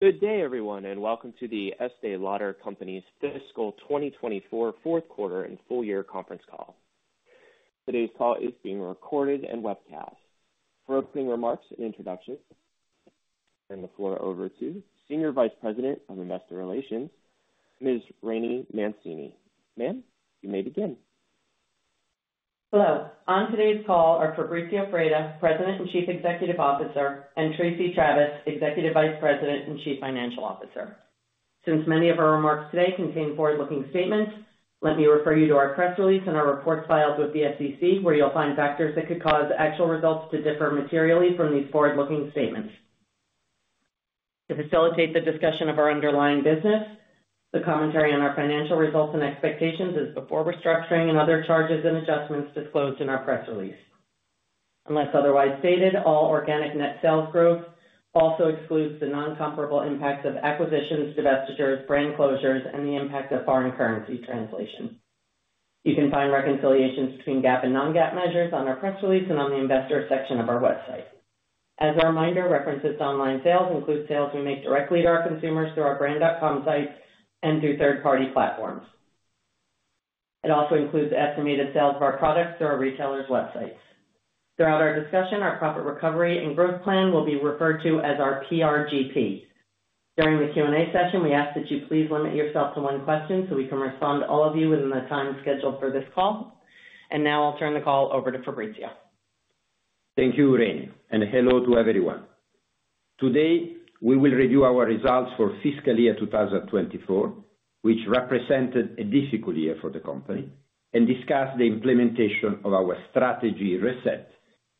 Good day, everyone, and welcome to the Estée Lauder Companies' fiscal 2024 Q4 and full year conference call. Today's call is being recorded and webcast. For opening remarks and introductions, turn the floor over to Senior Vice President of Investor Relations, Ms. Rainey Mancini. Ma'am, you may begin. Hello. On today's call are Fabrizio Freda, President and Chief Executive Officer, and Tracey Travis, Executive Vice President and Chief Financial Officer. Since many of our remarks today contain forward-looking statements, let me refer you to our press release and our reports filed with the SEC, where you'll find factors that could cause actual results to differ materially from these forward-looking statements. To facilitate the discussion of our underlying business, the commentary on our financial results and expectations is before restructuring and other charges and adjustments disclosed in our press release. Unless otherwise stated, all organic net sales growth also excludes the non-comparable impacts of acquisitions, divestitures, brand closures, and the impact of foreign currency translation. You can find reconciliations between GAAP and non-GAAP measures on our press release and on the investor section of our website. As a reminder, references to online sales include sales we make directly to our consumers through our Brand.com sites and through third-party platforms. It also includes the estimated sales of our products through our retailers' websites. Throughout our discussion, our Profit Recovery and Growth Plan will be referred to as our PRGP. During the Q&A session, we ask that you please limit yourself to one question, so we can respond to all of you within the time scheduled for this call, and now I'll turn the call over to Fabrizio. Thank you, Rainey, and hello to everyone. Today, we will review our results for fiscal year 2024, which represented a difficult year for the company, and discuss the implementation of our strategy reset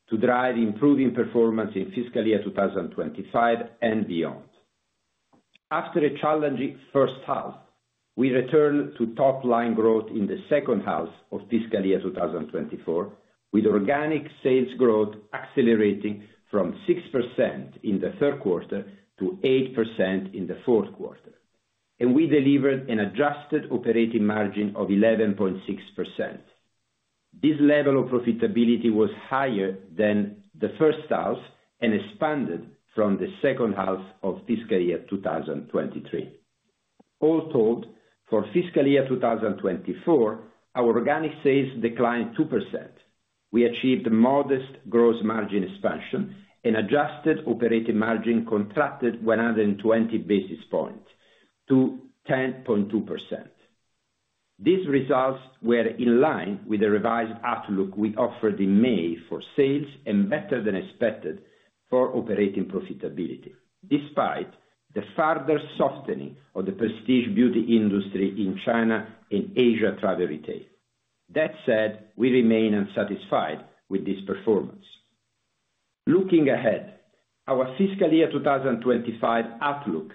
to drive improving performance in fiscal year 2025 and beyond. After a challenging first half, we returned to top-line growth in the second half of fiscal year 2024, with organic sales growth accelerating from 6% in the Q3 to 8% in the Q4, and we delivered an adjusted operating margin of 11.6%. This level of profitability was higher than the first half and expanded from the second half of fiscal year 2023. All told, for fiscal year 2024, our organic sales declined 2%. We achieved a modest gross margin expansion and adjusted operating margin contracted 120 basis points to 10.2%. These results were in line with the revised outlook we offered in May for sales and better than expected for operating profitability, despite the further softening of the prestige beauty industry in China and Asia Travel Retail. That said, we remain unsatisfied with this performance. Looking ahead, our fiscal year 2025 outlook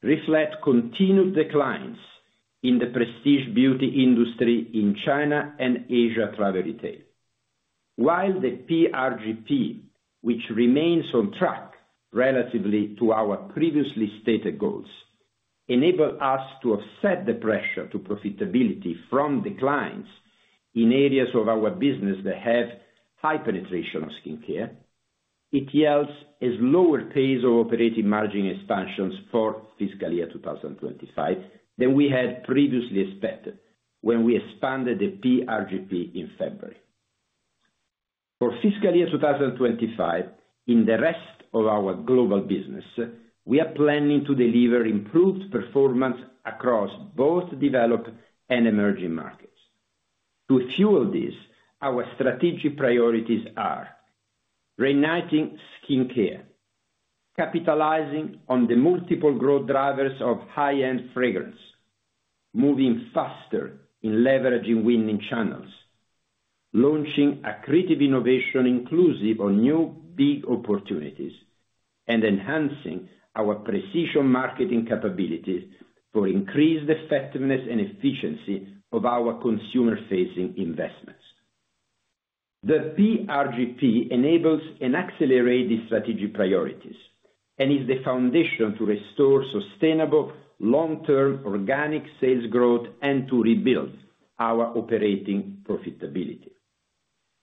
reflect continued declines in the prestige beauty industry in China and Asia Travel Retail. While the PRGP, which remains on track relative to our previously stated goals, enables us to offset the pressure on profitability from declines in areas of our business that have high penetration of skincare, it yields a lower pace of operating margin expansions for fiscal year 2025 than we had previously expected when we expanded the PRGP in February. For fiscal year 2025, in the rest of our global business, we are planning to deliver improved performance across both developed and emerging markets. To fuel this, our strategic priorities are reigniting skincare, capitalizing on the multiple growth drivers of high-end fragrance, moving faster in leveraging winning channels, launching a creative innovation inclusive of new big opportunities, and enhancing our precision marketing capabilities for increased effectiveness and efficiency of our consumer-facing investments. The PRGP enables and accelerate these strategic priorities and is the foundation to restore sustainable, long-term, organic sales growth and to rebuild our operating profitability.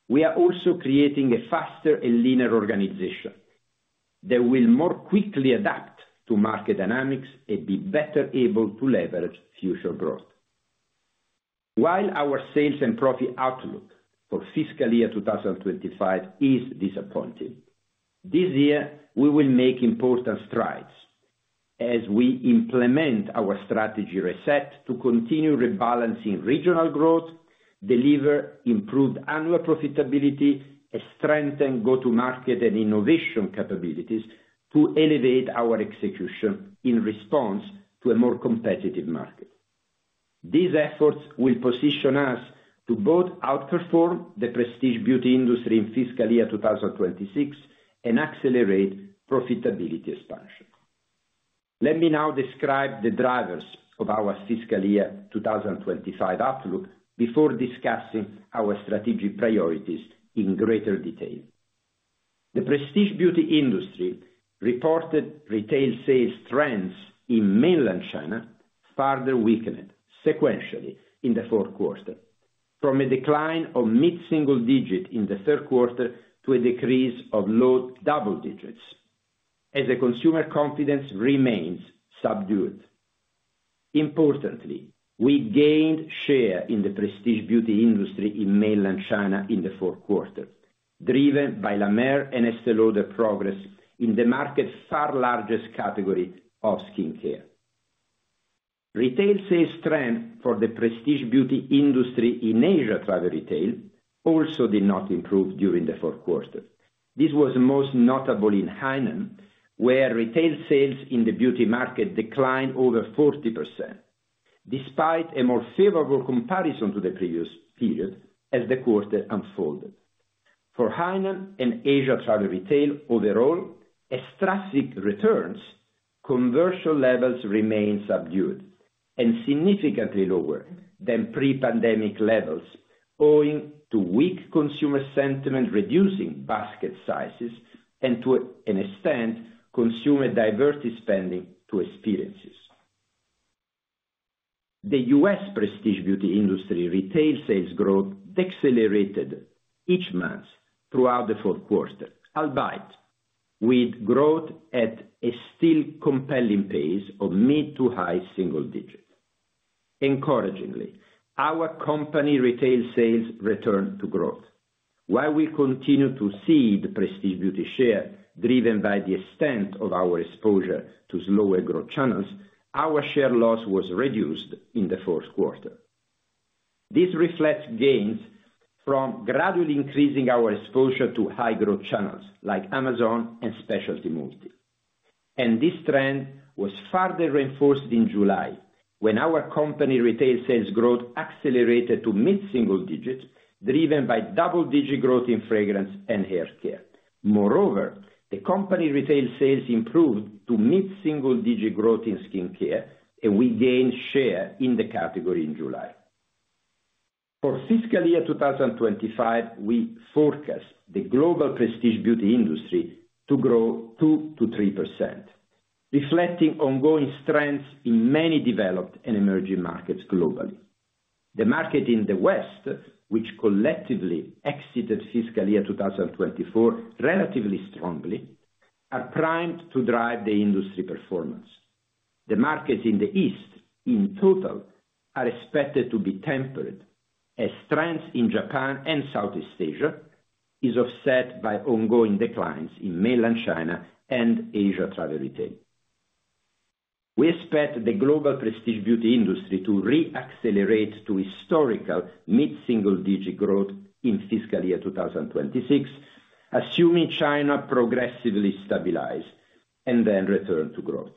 We are also creating a faster and leaner organization that will more quickly adapt to market dynamics and be better able to leverage future growth. While our sales and profit outlook for fiscal year 2025 is disappointing, this year we will make important strides as we implement our strategy reset to continue rebalancing regional growth, deliver improved annual profitability, and strengthen go-to-market and innovation capabilities to elevate our execution in response to a more competitive market. These efforts will position us to both outperform the prestige beauty industry in fiscal year 2026 and accelerate profitability expansion. Let me now describe the drivers of our fiscal year 2025 outlook before discussing our strategic priorities in greater detail. The prestige beauty industry reported retail sales trends in mainland China further weakened sequentially in the Q4, from a decline of mid-single digit in the Q3 to a decrease of low double digits, as the consumer confidence remains subdued. Importantly, we gained share in the prestige beauty industry in mainland China in the Q4, driven by La Mer and Estée Lauder progress in the market's far largest category of skincare. Retail sales trend for the prestige beauty industry in Asia Travel Retail also did not improve during the Q4. This was most notable in Hainan, where retail sales in the beauty market declined over 40%, despite a more favorable comparison to the previous period as the quarter unfolded. For Hainan and Asia Travel Retail overall, as traffic returns, commercial levels remain subdued and significantly lower than pre-pandemic levels, owing to weak consumer sentiment, reducing basket sizes, and to an extent, consumer diverted spending to experiences. The U.S. prestige beauty industry retail sales growth accelerated each month thr`oughout the Q4, albeit with growth at a still compelling pace of mid- to high-single-digit. Encouragingly, our company retail sales returned to growth. While we continue to cede prestige beauty share, driven by the extent of our exposure to slower growth channels, our share loss was reduced in the Q4. This reflects gains from gradually increasing our exposure to high growth channels like Amazon and specialty multi. And this trend was further reinforced in July, when our company retail sales growth accelerated to mid-single digits, driven by double-digit growth in fragrance and hair care. Moreover, the company retail sales improved to mid-single digit growth in skincare, and we gained share in the category in July. For Fiscal Year 2025, we forecast the global prestige beauty industry to grow 2% to 3%, reflecting ongoing strengths in many developed and emerging markets globally. The market in the West, which collectively exited Fiscal Year 2024 relatively strongly, are primed to drive the industry performance. The markets in the East, in total, are expected to be tempered as trends in Japan and Southeast Asia is offset by ongoing declines in mainland China and Asia Travel Retail. We expect the global prestige beauty industry to re-accelerate to historical mid-single digit growth in Fiscal Year 2026, assuming China progressively stabilize and then return to growth.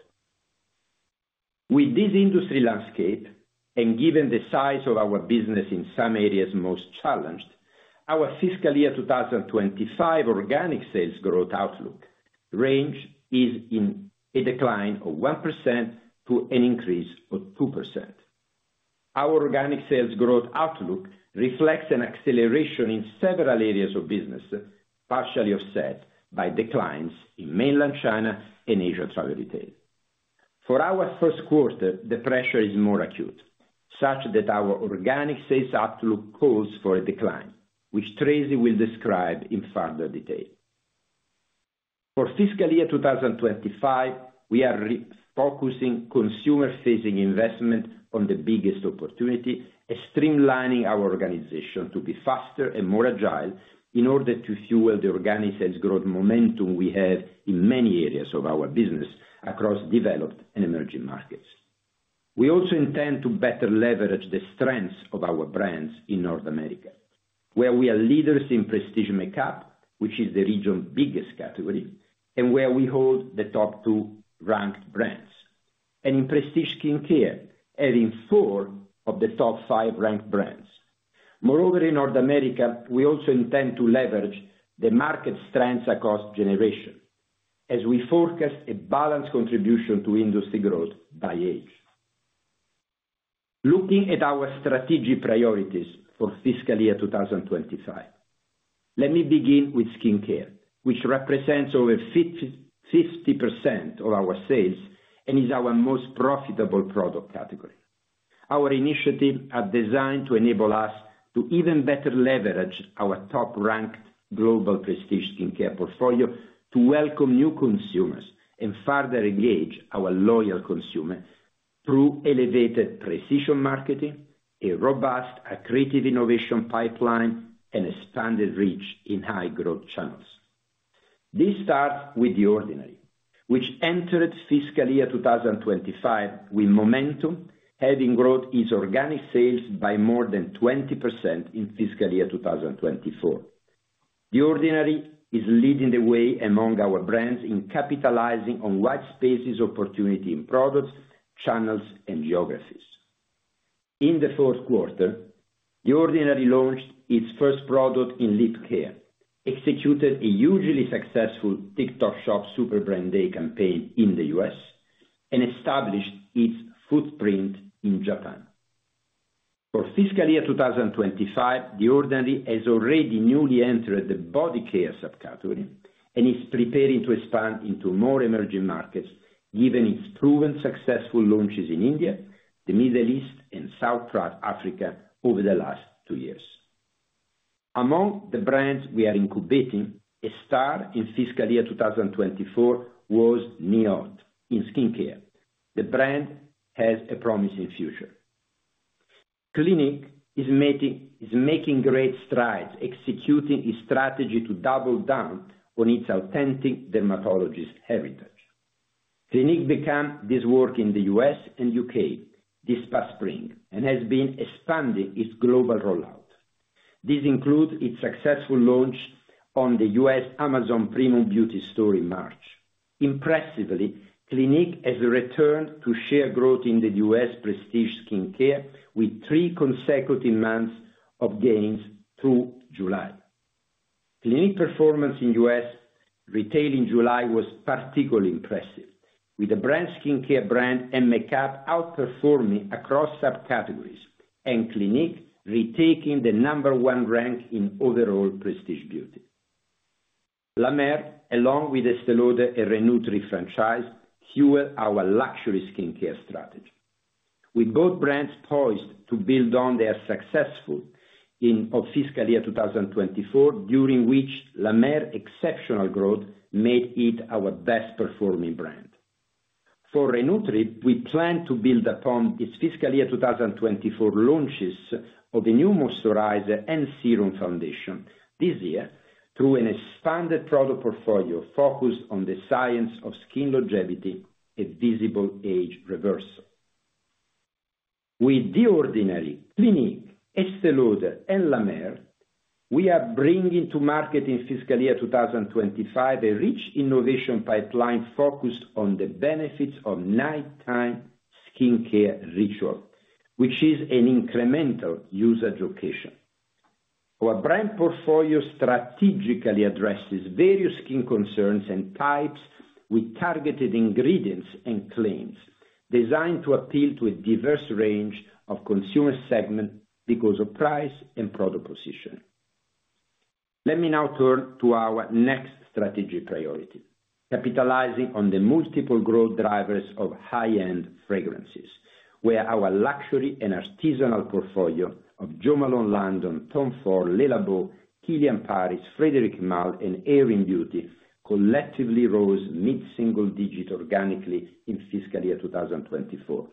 With this industry landscape, and given the size of our business in some areas most challenged, our Fiscal Year 2025 organic sales growth outlook range is in a decline of 1% to an increase of 2%. Our organic sales growth outlook reflects an acceleration in several areas of business, partially offset by declines in Mainland China and Asia Travel Retail. For our Q1, the pressure is more acute, such that our organic sales outlook calls for a decline, which Tracey will describe in further detail. For Fiscal Year 2025, we are re-focusing consumer-facing investment on the biggest opportunity and streamlining our organization to be faster and more agile in order to fuel the organic sales growth momentum we have in many areas of our business across developed and emerging markets. We also intend to better leverage the strengths of our brands in North America, where we are leaders in prestige makeup, which is the region's biggest category, and where we hold the top two ranked brands, and in prestige skincare, having four of the top five ranked brands. Moreover, in North America, we also intend to leverage the market strengths across generation as we forecast a balanced contribution to industry growth by age. Looking at our strategic priorities for fiscal year 2025, let me begin with skincare, which represents over 50% of our sales and is our most profitable product category. Our initiative are designed to enable us to even better leverage our top-ranked global prestige skincare portfolio to welcome new consumers and further engage our loyal consumer through elevated precision marketing, a robust and creative innovation pipeline, and expanded reach in high-growth channels. This starts with The Ordinary, which entered fiscal year 2025 with momentum, having grown its organic sales by more than 20% in fiscal year 2024. The Ordinary is leading the way among our brands in capitalizing on white spaces opportunity in products, channels, and geographies. In the Q4, The Ordinary launched its first product in lip care, executed a hugely successful TikTok Shop Super Brand Day campaign in the U.S., and established its footprint in Japan. For fiscal year 2025, The Ordinary has already newly entered the body care subcategory and is preparing to expand into more emerging markets, given its proven successful launches in India, the Middle East, and South Africa over the last two years.... Among the brands we are incubating, a star in fiscal year 2024 was NIOD in skincare. The brand has a promising future. Clinique is making great strides, executing its strategy to double down on its authentic dermatologist heritage. Clinique began this work in the U.S. and U.K. this past spring, and has been expanding its global rollout. This includes its successful launch on the U.S. Amazon Premium Beauty Store in March. Impressively, Clinique has returned to share growth in the U.S. prestige skincare, with three consecutive months of gains through July. Clinique performance in U.S. retail in July was particularly impressive, with the brand skincare brand and makeup outperforming across subcategories, and Clinique retaking the number one rank in overall prestige beauty. La Mer, along with Estée Lauder and Re-Nutriv franchise, fuel our luxury skincare strategy, with both brands poised to build on their successful in of fiscal year 2024, during which La Mer exceptional growth made it our best performing brand. For Re-Nutriv, we plan to build upon its fiscal year 2024 launches of the new moisturizer and serum foundation this year, through an expanded product portfolio focused on the science of skin longevity and visible age reversal. With The Ordinary, Clinique, Estée Lauder, and La Mer, we are bringing to market in fiscal year 2025, a rich innovation pipeline focused on the benefits of nighttime skincare ritual, which is an incremental usage occasion. Our brand portfolio strategically addresses various skin concerns and types with targeted ingredients and claims, designed to appeal to a diverse range of consumer segment because of price and product position. Let me now turn to our next strategic priority, capitalizing on the multiple growth drivers of high-end fragrances, where our luxury and artisanal portfolio of Jo Malone London, Tom Ford, Le Labo, Kilian Paris, Frédéric Malle, and Aerin Beauty collectively rose mid-single digit organically in fiscal year 2024.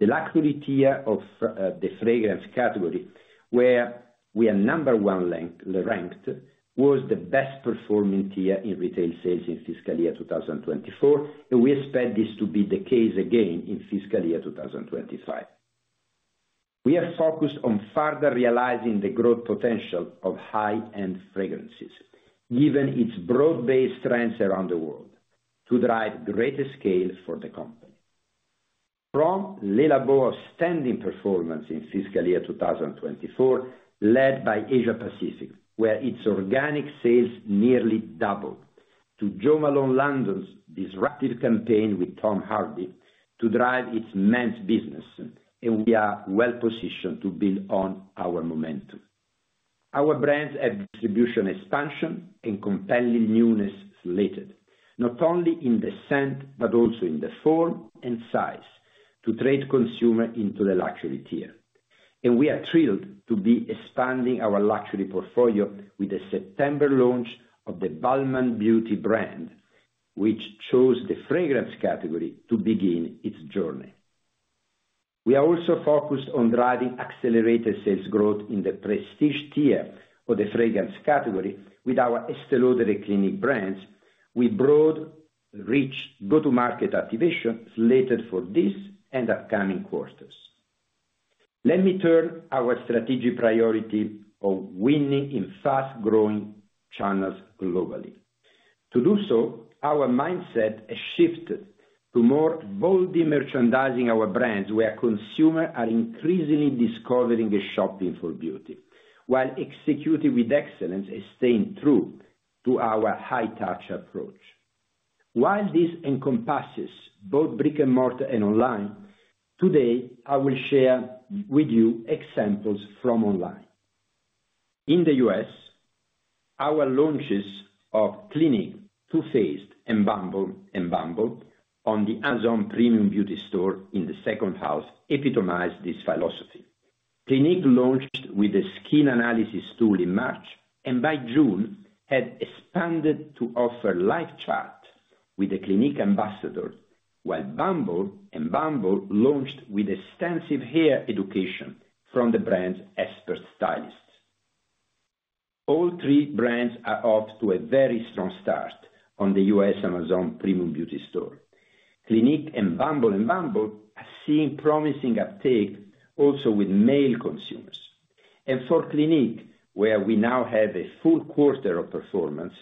The luxury tier of the fragrance category, where we are number one ranked, was the best performing tier in retail sales in fiscal year 2024, and we expect this to be the case again in fiscal year 2025. We are focused on further realizing the growth potential of high-end fragrances, given its broad-based trends around the world, to drive greater scale for the company. From Le Labo's outstanding performance in fiscal year 2024, led by Asia Pacific, where its organic sales nearly doubled, to Jo Malone London's disruptive campaign with Tom Hardy to drive its men's business, and we are well positioned to build on our momentum. Our brands have distribution expansion and compelling newness slated, not only in the scent, but also in the form and size, to trade consumer into the luxury tier. We are thrilled to be expanding our luxury portfolio with the September launch of the Balmain Beauty brand, which chose the fragrance category to begin its journey. We are also focused on driving accelerated sales growth in the prestige tier of the fragrance category with our Estée Lauder and Clinique brands, with broad reach, go-to-market activation slated for this and upcoming quarters. Let me turn to our strategic priority of winning in fast-growing channels globally. To do so, our mindset has shifted to more boldly merchandising our brands, where consumers are increasingly discovering and shopping for beauty, while executing with excellence and staying true to our high-touch approach. While this encompasses both brick-and-mortar and online, today, I will share with you examples from online. In the U.S., our launches of Clinique, Too Faced, and Bumble and bumble on the Amazon Premium Beauty Store in the second half epitomized this philosophy. Clinique launched with a skin analysis tool in March, and by June, had expanded to offer live chat with the Clinique ambassadors, while Bumble and bumble launched with extensive hair education from the brand's expert stylists. All three brands are off to a very strong start on the U.S. Amazon Premium Beauty Store. Clinique and Bumble and bumble are seeing promising uptake also with male consumers, and for Clinique, where we now have a full quarter of performance,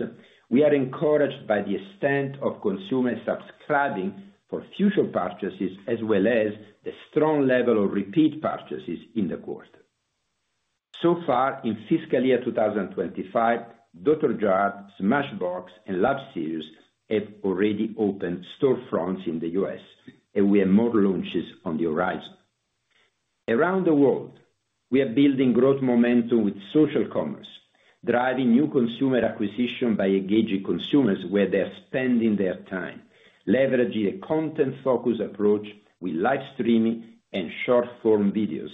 we are encouraged by the extent of consumers subscribing for future purchases, as well as the strong level of repeat purchases in the quarter. So far, in fiscal year 2025, Dr.Jart+, Smashbox, and Lab Series have already opened storefronts in the U.S., and we have more launches on the horizon. Around the world, we are building growth momentum with social commerce, driving new consumer acquisition by engaging consumers where they are spending their time, leveraging a content-focused approach with live streaming and short-form videos,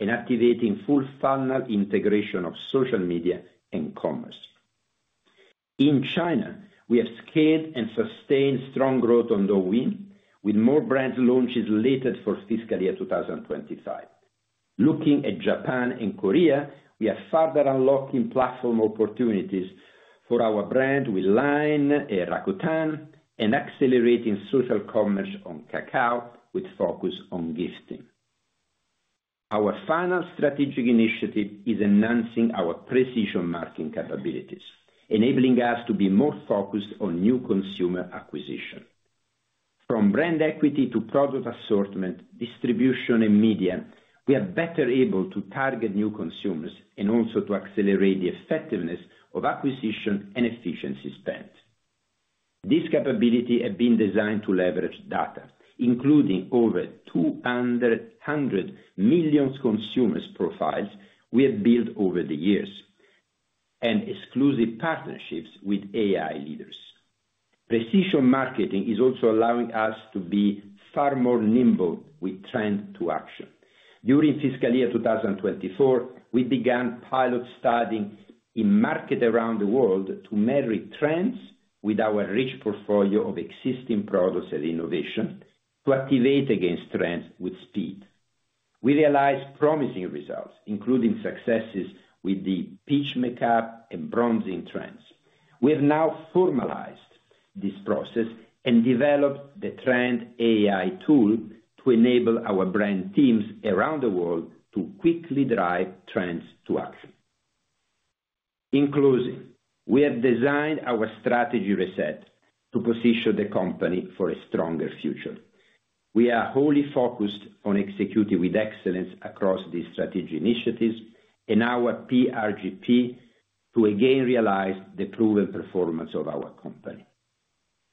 and activating full funnel integration of social media and commerce. In China, we have scaled and sustained strong growth on Douyin, with more brand launches related for fiscal year 2025. Looking at Japan and Korea, we are further unlocking platform opportunities for our brand with LINE and Rakuten, and accelerating social commerce on Kakao, with focus on gifting. Our final strategic initiative is enhancing our precision marketing capabilities, enabling us to be more focused on new consumer acquisition. From brand equity to product assortment, distribution, and media, we are better able to target new consumers and also to accelerate the effectiveness of acquisition and efficiency spend. This capability has been designed to leverage data, including over 200 million consumers' profiles we have built over the years, and exclusive partnerships with AI leaders. Precision marketing is also allowing us to be far more nimble with trend to action. During fiscal year 2024, we began pilot studies in markets around the world to marry trends with our rich portfolio of existing products and innovation to a. successes with the peach makeup and bronzing trends. We have now formalized this process and developed the Trend AI tool to enable our brand teams around the world to quickly drive trends to action. In closing, we have designed our strategy reset to position the company for a stronger future. We are wholly focused on executing with excellence across these strategic initiatives and our PRGP to again realize the proven performance of our company.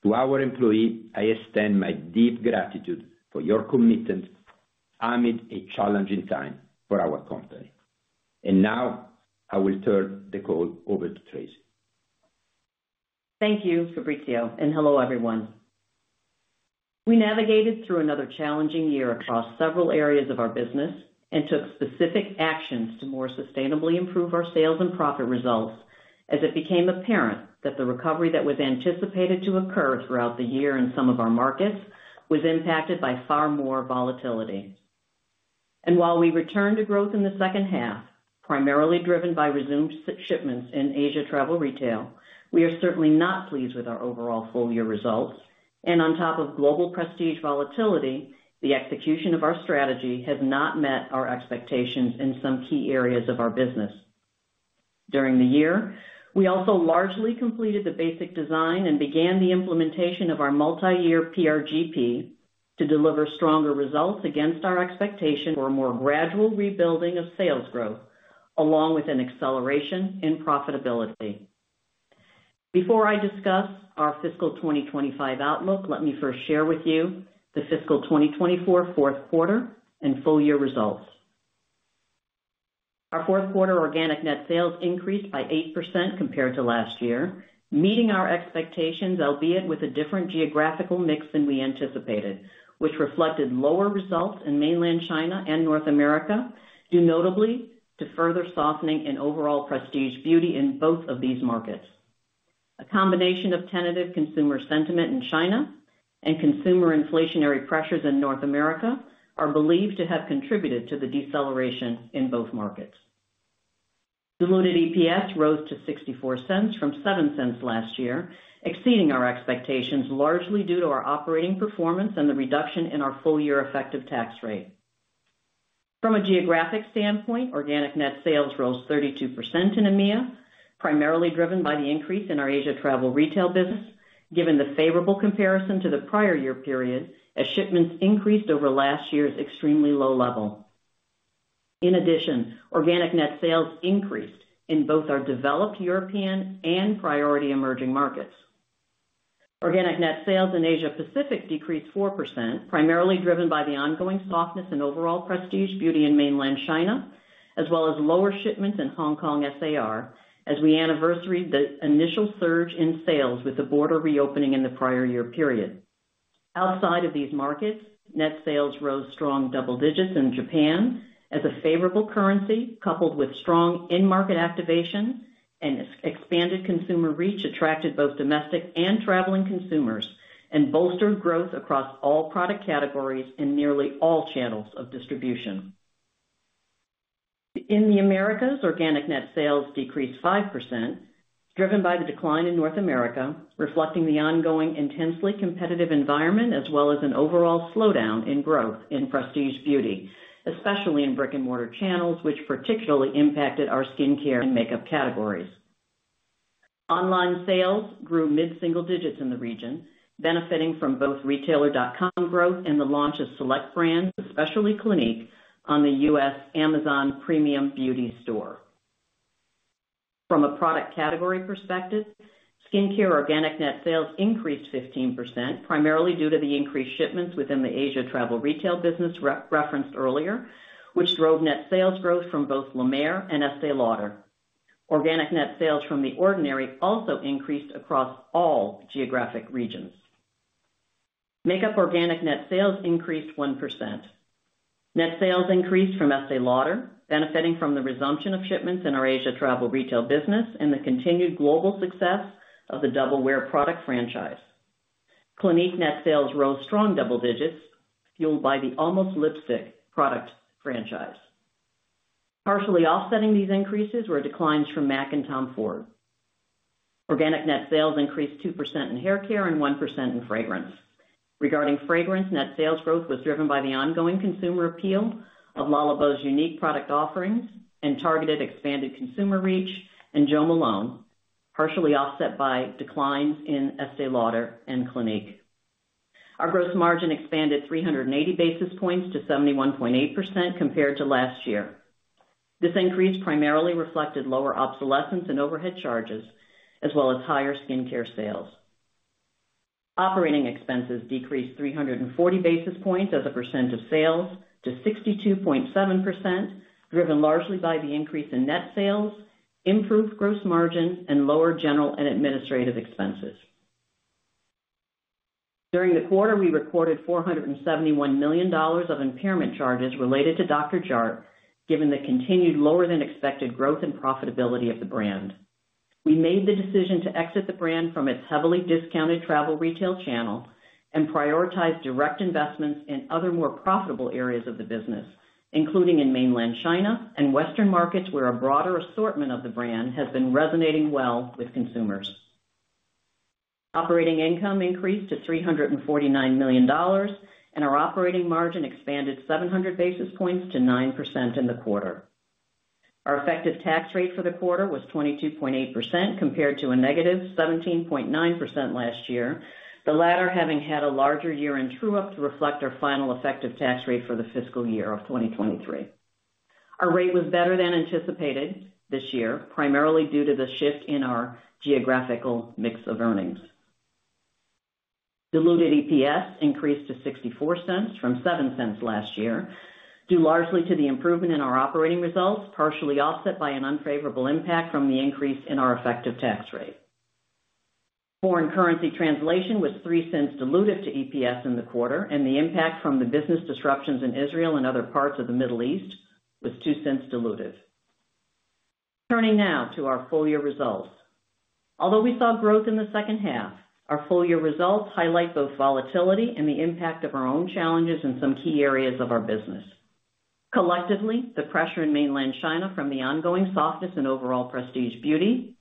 To our employee, I extend my deep gratitude for your commitment amid a challenging time for our company. And now, I will turn the call over to Tracey. Thank you, Fabrizio, and hello, everyone. We navigated through another challenging year across several areas of our business and took specific actions to more sustainably improve our sales and profit results, as it became apparent that the recovery that was anticipated to occur throughout the year in some of our markets was impacted by far more volatility, and while we return to growth in the second half, primarily driven by resumed shipments in Asia Travel Retail, we are certainly not pleased with our overall full-year results, and on top of global prestige volatility, the execution of our strategy has not met our expectations in some key areas of our business. During the year, we also largely completed the basic design and began the implementation of our multiyear PRGP to deliver stronger results against our expectation for a more gradual rebuilding of sales growth, along with an acceleration in profitabilit. Before I discuss our fiscal 2025 outlook, let me first share with you the fiscal 2024 Q4 and full-year results. Our Q4 organic net sales increased by 8% compared to last year, meeting our expectations, albeit with a different geographical mix than we anticipated, which reflected lower results in Mainland China and North America, due notably to further softening in overall prestige beauty in both of these markets. A combination of tentative consumer sentiment in China and consumer inflationary pressures in North America are believed to have contributed to the deceleration in both markets. Diluted EPS rose to $0.64 from $0.07 last year, exceeding our expectations, largely due to our operating performance and the reduction in our full-year effective tax rate. From a geographic standpoint, organic net sales rose 32% in EMEA, primarily driven by the increase in our Asia travel retail business, given the favorable comparison to the prior year period, as shipments increased over last year's extremely low level. In addition, organic net sales increased in both our developed European and priority emerging markets. Organic net sales in Asia Pacific decreased 4%, primarily driven by the ongoing softness in overall prestige beauty in mainland China, as well as lower shipments in Hong Kong SAR, as we anniversaried the initial surge in sales with the border reopening in the prior year period. Outside of these markets, net sales rose strong double digits in Japan as a favorable currency, coupled with strong in-market activation and expanded consumer reach, attracted both domestic and traveling consumers, and bolstered growth across all product categories in nearly all channels of distribution. In the Americas, organic net sales decreased 5%, driven by the decline in North America, reflecting the ongoing intensely competitive environment, as well as an overall slowdown in growth in prestige beauty, especially in brick-and-mortar channels, which particularly impacted our skincare and makeup categories. Online sales grew mid-single digits in the region, benefiting from both retailer.com growth and the launch of select brands, especially Clinique, on the U.S. Amazon Premium Beauty Store. From a product category perspective, skincare organic net sales increased 15%, primarily due to the increased shipments within the Asia travel retail business referenced earlier, which drove net sales growth from both La Mer and Estée Lauder. Organic net sales from The Ordinary also increased across all geographic regions. Makeup organic net sales increased 1%. Net sales increased from Estée Lauder, benefiting from the resumption of shipments in our Asia travel retail business and the continued global success of the Double Wear product franchise. Clinique net sales rose strong double digits, fueled by the Almost Lipstick product franchise. Partially offsetting these increases were declines from MAC and Tom Ford. Organic net sales increased 2% in hair care and 1% in fragrance. Regarding fragrance, net sales growth was driven by the ongoing consumer appeal of Le Labo's unique product offerings and targeted expanded consumer reach, and Jo Malone, partially offset by declines in Estée Lauder and Clinique. Our gross margin expanded 380 basis points to 71.8% compared to last year. This increase primarily reflected lower obsolescence and overhead charges, as well as higher skincare sales. Operating expenses decreased 340 basis points as a percent of sales to 62.7%, driven largely by the increase in net sales, improved gross margin, and lower general and administrative expenses. During the quarter, we recorded $471 million of impairment charges related to Dr.Jart+, given the continued lower-than-expected growth and profitability of the brand. We made the decision to exit the brand from its heavily discounted travel retail channel and prioritize direct investments in other, more profitable areas of the business, including in Mainland China and Western markets, where a broader assortment of the brand has been resonating well with consumers. Operating income increased to $349 million, and our operating margin expanded 700 basis points to 9% in the quarter. Our effective tax rate for the quarter was 22.8%, compared to a negative 17.9% last year, the latter having had a larger year-end true-up to reflect our final effective tax rate for the fiscal year of 2023. Our rate was better than anticipated this year, primarily due to the shift in our geographical mix of earnings. Diluted EPS increased to $0.64 from $0.07 last year, due largely to the improvement in our operating results, partially offset by an unfavorable impact from the increase in our effective tax rate. Foreign currency translation was $0.03 dilutive to EPS in the quarter, and the impact from the business disruptions in Israel and other parts of the Middle East was $0.02 dilutive. Turning now to our full-year results. Although we saw growth in the second half, our full-year results highlight both volatility and the impact of our own challenges in some key areas of our business. Collectively, the pressure in Mainland China from the ongoing softness in overall prestige beauty,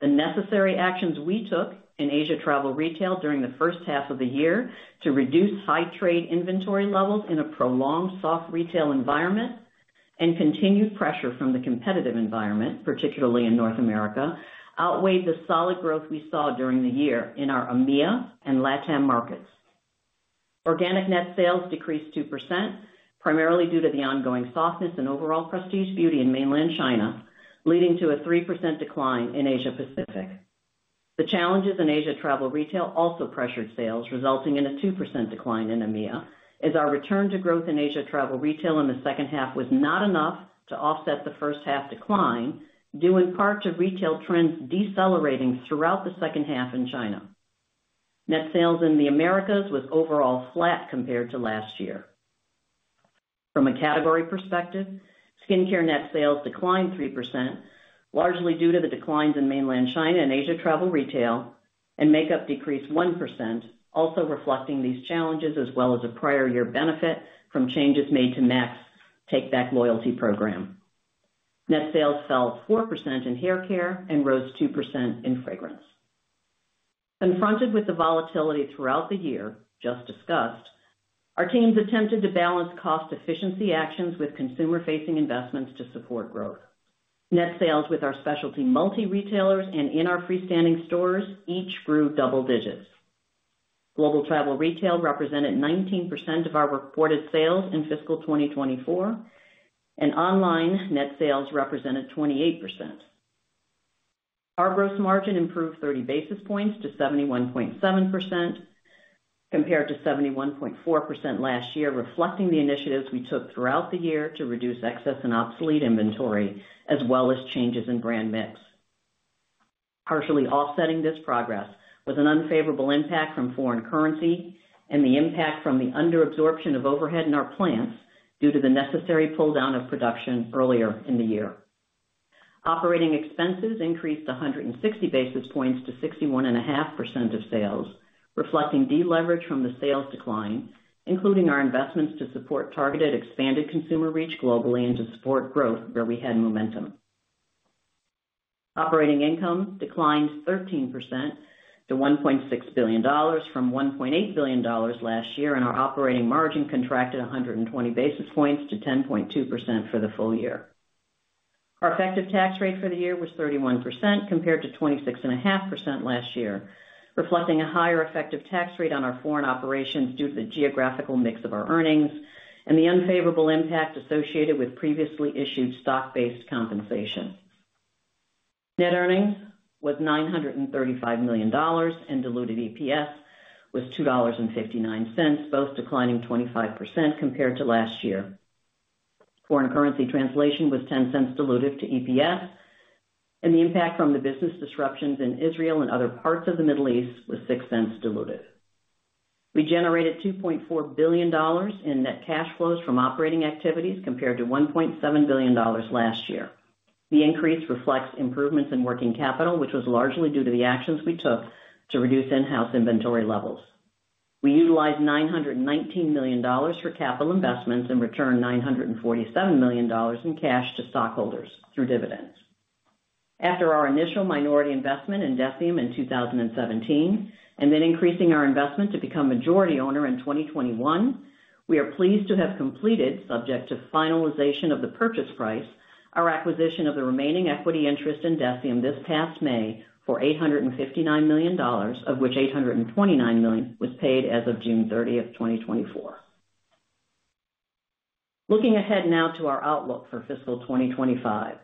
the necessary actions we took in Asia Travel Retail during the first half of the year to reduce high trade inventory levels in a prolonged soft retail environment, and continued pressure from the competitive environment, particularly in North America, outweighed the solid growth we saw during the year in our EMEA and LATAM markets. Organic net sales decreased 2%, primarily due to the ongoing softness in overall prestige beauty in Mainland China, leading to a 3% decline in Asia Pacific. The challenges in Asia Travel Retail also pressured sales, resulting in a 2% decline in EMEA, as our return to growth in Asia Travel Retail in the second half was not enough to offset the first half decline, due in part to retail trends decelerating throughout the second half in China. Net sales in the Americas was overall flat compared to last year. From a category perspective, skincare net sales declined 3%, largely due to the declines in Mainland China and Asia Travel Retail, and makeup decreased 1%, also reflecting these challenges, as well as a prior year benefit from changes made to MAC's take-back loyalty program. Net sales fell 4% in hair care and rose 2% in fragrance. Confronted with the volatility throughout the year, just discussed, our teams attempted to balance cost efficiency actions with consumer-facing investments to support growth. Net sales with our specialty-multi retailers and in our freestanding stores each grew double digits. Global travel retail represented 19% of our reported sales in fiscal 2024, and online net sales represented 28%. Our gross margin improved 30 basis points to 71.7%, compared to 71.4% last year, reflecting the initiatives we took throughout the year to reduce excess and obsolete inventory, as well as changes in brand mix. Partially offsetting this progress was an unfavorable impact from foreign currency and the impact from the under-absorption of overhead in our plants due to the necessary pull-down of production earlier in the year. Operating expenses increased 160 basis points to 61.5% of sales, reflecting deleverage from the sales decline, including our investments to support targeted expanded consumer reach globally and to support growth where we had momentum. Operating income declined 13% to $1.6 billion from $1.8 billion last year, and our operating margin contracted 120 basis points to 10.2% for the full year. Our effective tax rate for the year was 31%, compared to 26.5% last year, reflecting a higher effective tax rate on our foreign operations due to the geographical mix of our earnings and the unfavorable impact associated with previously issued stock-based compensation. Net earnings was $935 million, and diluted EPS was $2.59, both declining 25% compared to last year. Foreign currency translation was $0.10 dilutive to EPS, and the impact from the business disruptions in Israel and other parts of the Middle East was $0.06 dilutive. We generated $2.4 billion in net cash flows from operating activities, compared to $1.7 billion last year. The increase reflects improvements in working capital, which was largely due to the actions we took to reduce in-house inventory levels. We utilized $919 million for capital investments and returned $947 million in cash to stockholders through dividends. After our initial minority investment in Deciem in 2017, and then increasing our investment to become majority owner in 2021, we are pleased to have completed, subject to finalization of the purchase price, our acquisition of the remaining equity interest in Deciem this past May for $859 million, of which $829 million was paid as of June 30, 2024. Looking ahead now to our outlook for fiscal 2025.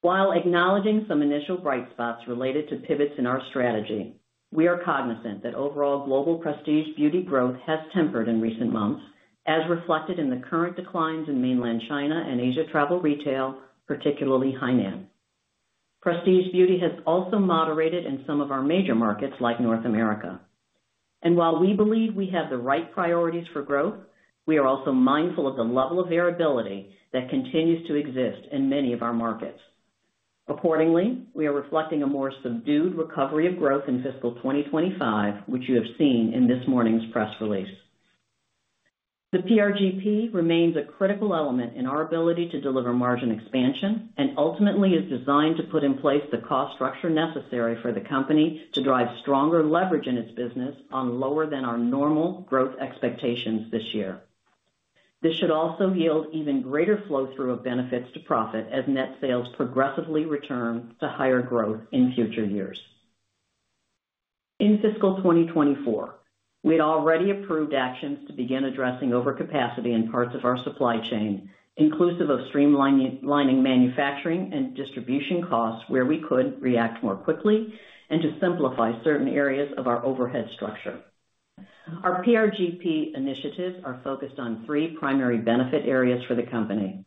While acknowledging some initial bright spots related to pivots in our strategy, we are cognizant that overall global prestige beauty growth has tempered in recent months, as reflected in the current declines in Mainland China and Asia Travel Retail, particularly Hainan. Prestige Beauty has also moderated in some of our major markets, like North America. And while we believe we have the right priorities for growth, we are also mindful of the level of variability that continues to exist in many of our markets. Accordingly, we are reflecting a more subdued recovery of growth in fiscal 2025, which you have seen in this morning's press release. The PRGP remains a critical element in our ability to deliver margin expansion and ultimately is designed to put in place the cost structure necessary for the company to drive stronger leverage in its business on lower than our normal growth expectations this year. This should also yield even greater flow-through of benefits to profit as net sales progressively return to higher growth in future years. In fiscal 2024, we had already approved actions to begin addressing overcapacity in parts of our supply chain, inclusive of streamlining manufacturing and distribution costs, where we could react more quickly and to simplify certain areas of our overhead structure. Our PRGP initiatives are focused on three primary benefit areas for the company.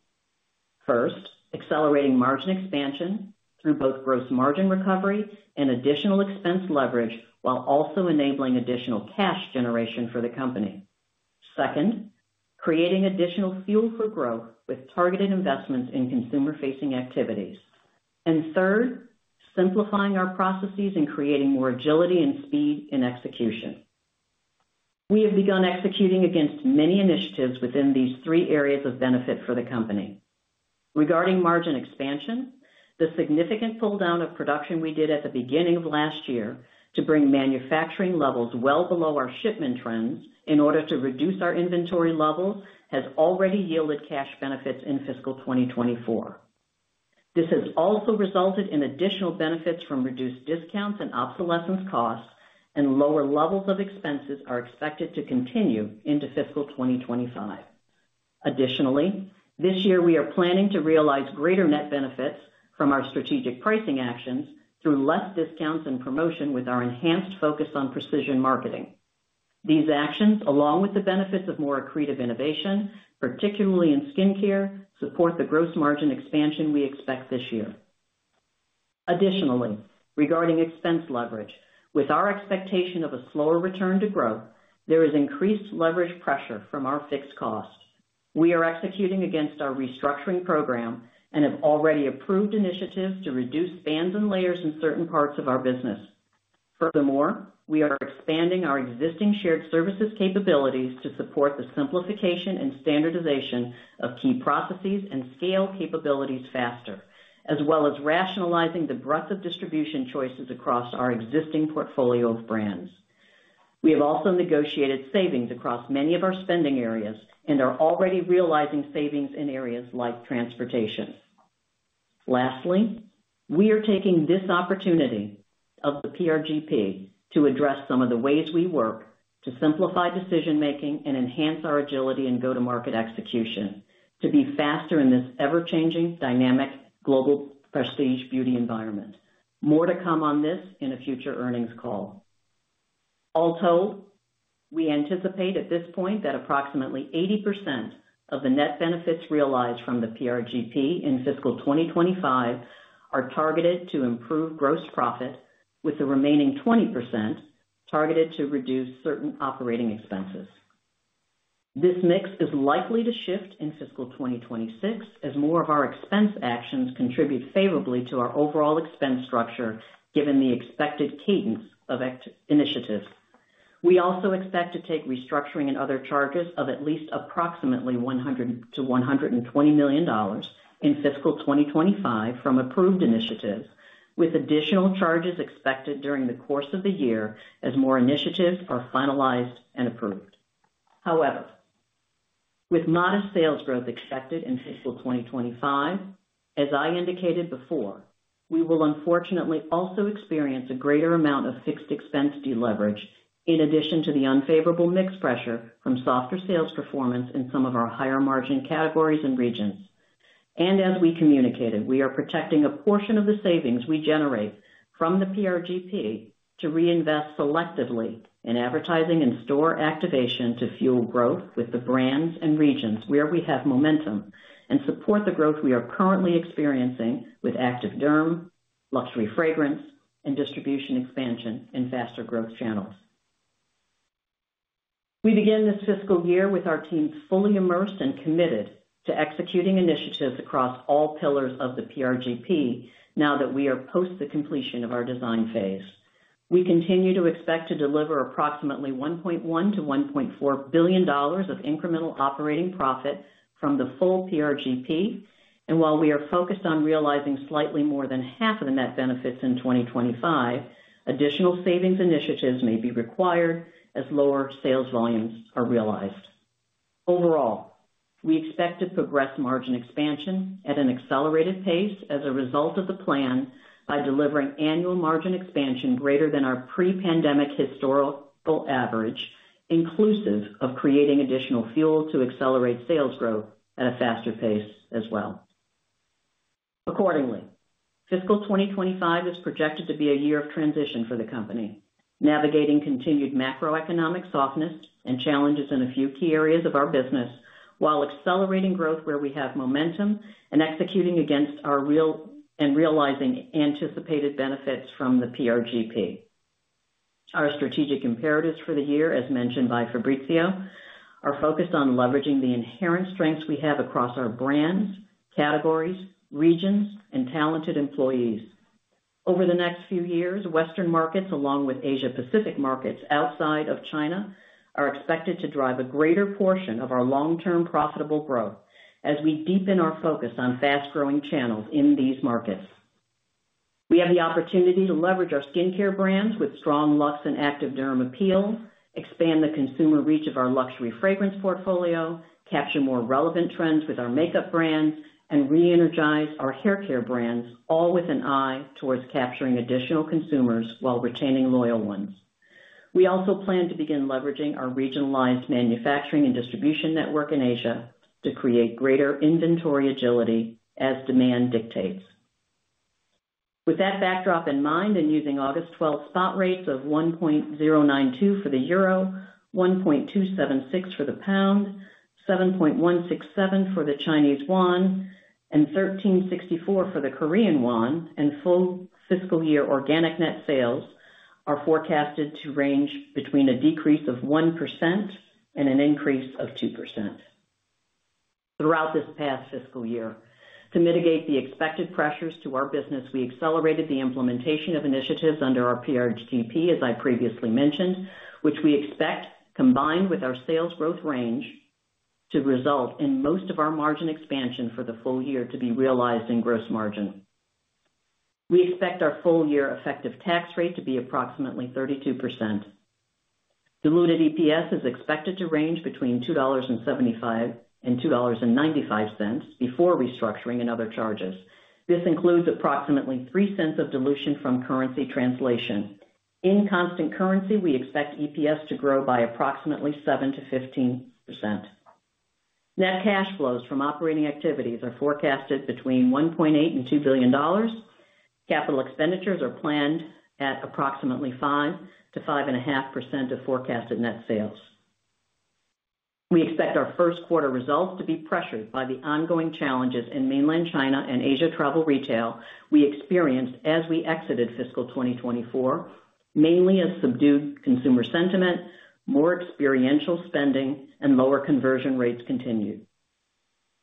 First, accelerating margin expansion through both gross margin recovery and additional expense leverage, while also enabling additional cash generation for the company. Second, creating additional fuel for growth with targeted investments in consumer-facing activities. And third, simplifying our processes and creating more agility and speed in execution. We have begun executing against many initiatives within these three areas of benefit for the company. Regarding margin expansion, the significant pull-down of production we did at the beginning of last year to bring manufacturing levels well below our shipment trends in order to reduce our inventory levels, has already yielded cash benefits in fiscal 2024. This has also resulted in additional benefits from reduced discounts and obsolescence costs, and lower levels of expenses are expected to continue into fiscal 2025. Additionally, this year, we are planning to realize greater net benefits from our strategic pricing actions through less discounts and promotion with our enhanced focus on precision marketing. These actions, along with the benefits of more accretive innovation, particularly in skincare, support the gross margin expansion we expect this year. Additionally, regarding expense leverage, with our expectation of a slower return to growth, there is increased leverage pressure from our fixed costs. We are executing against our restructuring program and have already approved initiatives to reduce bands and layers in certain parts of our business. Furthermore, we are expanding our existing shared services capabilities to support the simplification and standardization of key processes and scale capabilities faster, as well as rationalizing the breadth of distribution choices across our existing portfolio of brands. We have also negotiated savings across many of our spending areas and are already realizing savings in areas like transportation. Lastly, we are taking this opportunity of the PRGP to address some of the ways we work to simplify decision-making and enhance our agility and go-to-market execution to be faster in this ever-changing, dynamic, global prestige beauty environment. More to come on this in a future earnings call. Also, we anticipate at this point that approximately 80% of the net benefits realized from the PRGP in fiscal 2025 are targeted to improve gross profit, with the remaining 20% targeted to reduce certain operating expenses. This mix is likely to shift in fiscal 2026 as more of our expense actions contribute favorably to our overall expense structure, given the expected cadence of initiatives. We also expect to take restructuring and other charges of at least approximately $100-$120 million in fiscal 2025 from approved initiatives, with additional charges expected during the course of the year as more initiatives are finalized and approved. However, with modest sales growth expected in fiscal 2025, as I indicated before, we will unfortunately also experience a greater amount of fixed expense deleverage, in addition to the unfavorable mix pressure from softer sales performance in some of our higher-margin categories and regions... and as we communicated, we are protecting a portion of the savings we generate from the PRGP to reinvest selectively in advertising and store activation to fuel growth with the brands and regions where we have momentum, and support the growth we are currently experiencing with active derm, luxury fragrance, and distribution expansion in faster growth channels. We begin this fiscal year with our team fully immersed and committed to executing initiatives across all pillars of the PRGP now that we are post the completion of our design phase. We continue to expect to deliver approximately $1.1 billion-$1.4 billion of incremental operating profit from the full PRGP, and while we are focused on realizing slightly more than half of the net benefits in 2025, additional savings initiatives may be required as lower sales volumes are realized. Overall, we expect to progress margin expansion at an accelerated pace as a result of the plan, by delivering annual margin expansion greater than our pre-pandemic historical average, inclusive of creating additional fuel to accelerate sales growth at a faster pace as well. Accordingly, fiscal 2025 is projected to be a year of transition for the company, navigating continued macroeconomic softness and challenges in a few key areas of our business, while accelerating growth where we have momentum and executing against our real and realizing anticipated benefits from the PRGP. Our strategic imperatives for the year, as mentioned by Fabrizio, are focused on leveraging the inherent strengths we have across our brands, categories, regions, and talented employees. Over the next few years, Western markets, along with Asia Pacific markets outside of China, are expected to drive a greater portion of our long-term profitable growth as we deepen our focus on fast-growing channels in these markets. We have the opportunity to leverage our skincare brands with strong luxe and active derm appeal, expand the consumer reach of our luxury fragrance portfolio, capture more relevant trends with our makeup brands, and re-energize our hair care brands, all with an eye towards capturing additional consumers while retaining loyal ones. We also plan to begin leveraging our regionalized manufacturing and distribution network in Asia to create greater inventory agility as demand dictates. With that backdrop in mind, and using August 12 spot rates of 1.092 for the euro, 1.276 for the pound, 7.167 for the Chinese yuan, and 1,364 for the Korean won, full fiscal year organic net sales are forecasted to range between a decrease of 1% and an increase of 2%. Throughout this past fiscal year, to mitigate the expected pressures to our business, we accelerated the implementation of initiatives under our PRGP, as I previously mentioned, which we expect, combined with our sales growth range, to result in most of our margin expansion for the full year to be realized in gross margin. We expect our full year effective tax rate to be approximately 32%. Diluted EPS is expected to range between $2.75 and $2.95 before restructuring and other charges. This includes approximately $0.03 of dilution from currency translation. In constant currency, we expect EPS to grow by approximately 7%-15%. Net cash flows from operating activities are forecasted between $1.8 billion-$2 billion. Capital expenditures are planned at approximately 5%-5.5% of forecasted net sales. We expect our Q1 results to be pressured by the ongoing challenges in Mainland China and Asia Travel Retail we experienced as we exited fiscal 2024, mainly as subdued consumer sentiment, more experiential spending, and lower conversion rates continued.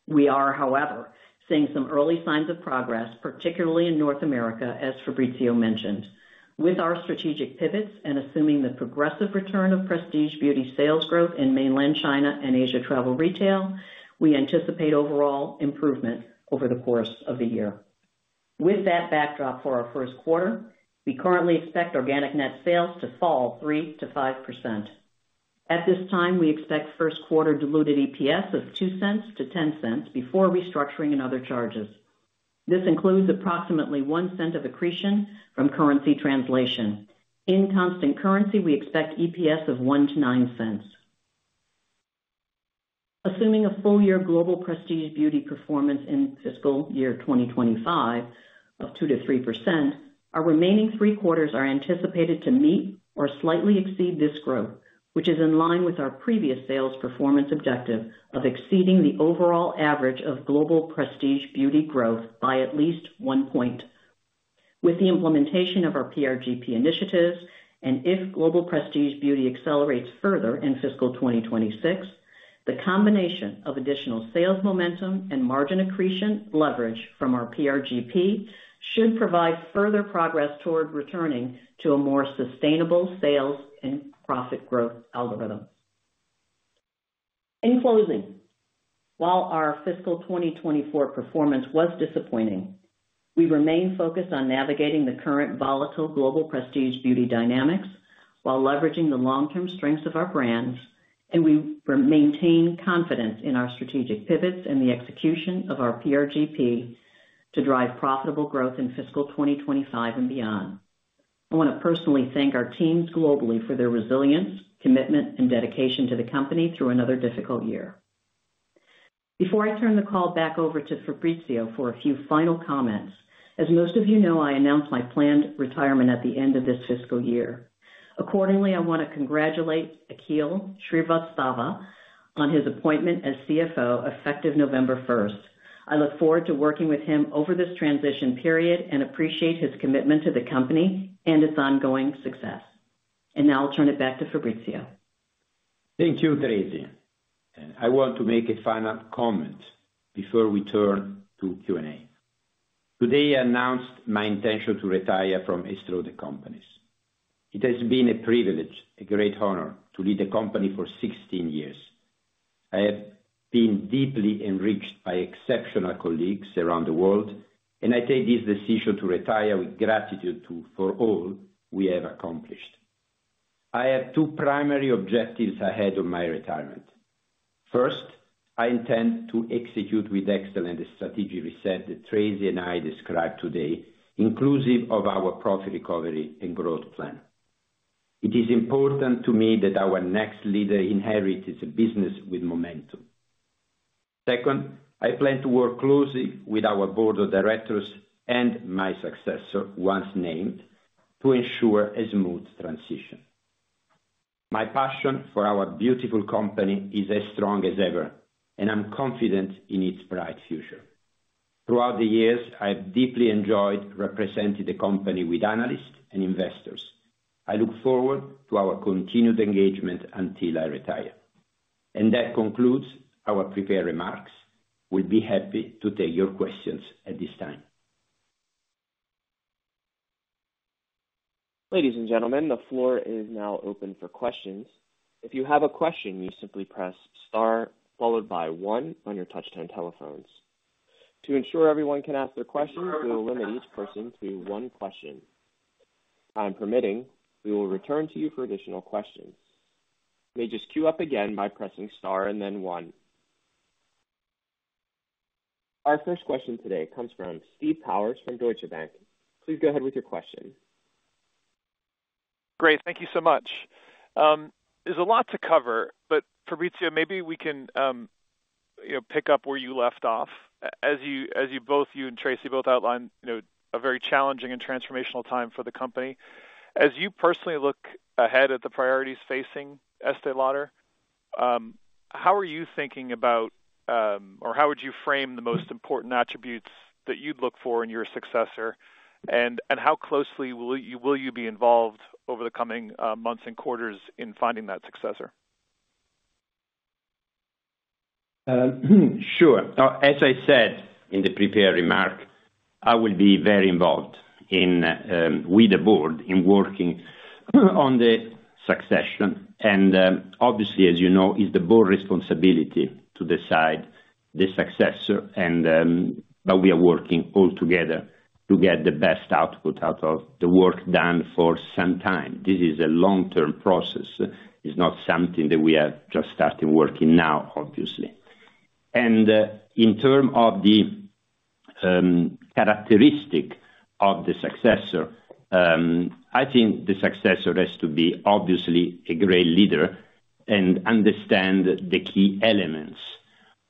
We are, however, seeing some early signs of progress, particularly in North America, as Fabrizio mentioned. With our strategic pivots and assuming the progressive return of prestige beauty sales growth in Mainland China and Asia Travel Retail, we anticipate overall improvement over the course of the year. With that backdrop for our Q1, we currently expect organic net sales to fall 3%-5%. At this time, we expect Q1 diluted EPS of $0.02-$0.10 before restructuring and other charges. This includes approximately $0.01 of accretion from currency translation. In constant currency, we expect EPS of $0.01-$0.09. Assuming a full-year global prestige beauty performance in Fiscal Year 2025 of 2%-3%, our remaining three quarters are anticipated to meet or slightly exceed this growth, which is in line with our previous sales performance objective of exceeding the overall average of globalprestige beauty growth by at least one point. With the implementation of our PRGP initiatives, and if global prestige beauty accelerates further in fiscal 2026, the combination of additional sales momentum and margin accretion leverage from our PRGP should provide further progress toward returning to a more sustainable sales and profit growth algorithm. In closing, while our fiscal 2024 performance was disappointing, we remain focused on navigating the current volatile global prestige beauty dynamics while leveraging the long-term strengths of our brands, and we maintain confidence in our strategic pivots and the execution of our PRGP to drive profitable growth in fiscal 2025 and beyond. I want to personally thank our teams globally for their resilience, commitment, and dedication to the company through another difficult year. Before I turn the call back over to Fabrizio for a few final comments, as most of you know, I announced my planned retirement at the end of this fiscal year. Accordingly, I want to congratulate Akhil Srivastava on his appointment as CFO, effective November first. I look forward to working with him over this transition period and appreciate his commitment to the company and its ongoing success, and now I'll turn it back to Fabrizio. Thank you, Tracey. I want to make a final comment before we turn to Q&A. Today, I announced my intention to retire from Estée Lauder Companies. It has been a privilege, a great honor, to lead the company for 16 years. I have been deeply enriched by exceptional colleagues around the world, and I take this decision to retire with gratitude for all we have accomplished. I have two primary objectives ahead of my retirement. First, I intend to execute with excellence the strategic reset that Tracey and I described today, inclusive of our Profit Recovery and Growth Plan. It is important to me that our next leader inherits a business with momentum. Second, I plan to work closely with our board of directors and my successor, once named, to ensure a smooth transition. My passion for our beautiful company is as strong as ever, and I'm confident in its bright future. Throughout the years, I've deeply enjoyed representing the company with analysts and investors. I look forward to our continued engagement until I retire. And that concludes our prepared remarks. We'll be happy to take your questions at this time. Ladies and gentlemen, the floor is now open for questions. If you have a question, you simply press star, followed by one on your touchtone telephones. To ensure everyone can ask their question, we will limit each person to one question. Time permitting, we will return to you for additional questions. You may just queue up again by pressing star and then one. Our first question today comes from Steve Powers from Deutsche Bank. Please go ahead with your question. Great, thank you so much. There's a lot to cover, but Fabrizio, maybe we can, you know, pick up where you left off. As you both, you and Tracey, both outlined, you know, a very challenging and transformational time for the company. As you personally look ahead at the priorities facing Estée Lauder, how are you thinking about, or how would you frame the most important attributes that you'd look for in your successor? And how closely will you be involved over the coming months and quarters in finding that successor? Sure. As I said in the prepared remarks, I will be very involved with the board in working on the succession, and obviously, as you know, it's the board's responsibility to decide the successor and but we are working all together to get the best output out of the work done for some time. This is a long-term process. It's not something that we are just starting working now, obviously, and in terms of the characteristic of the successor, I think the successor has to be obviously a great leader and understand the key elements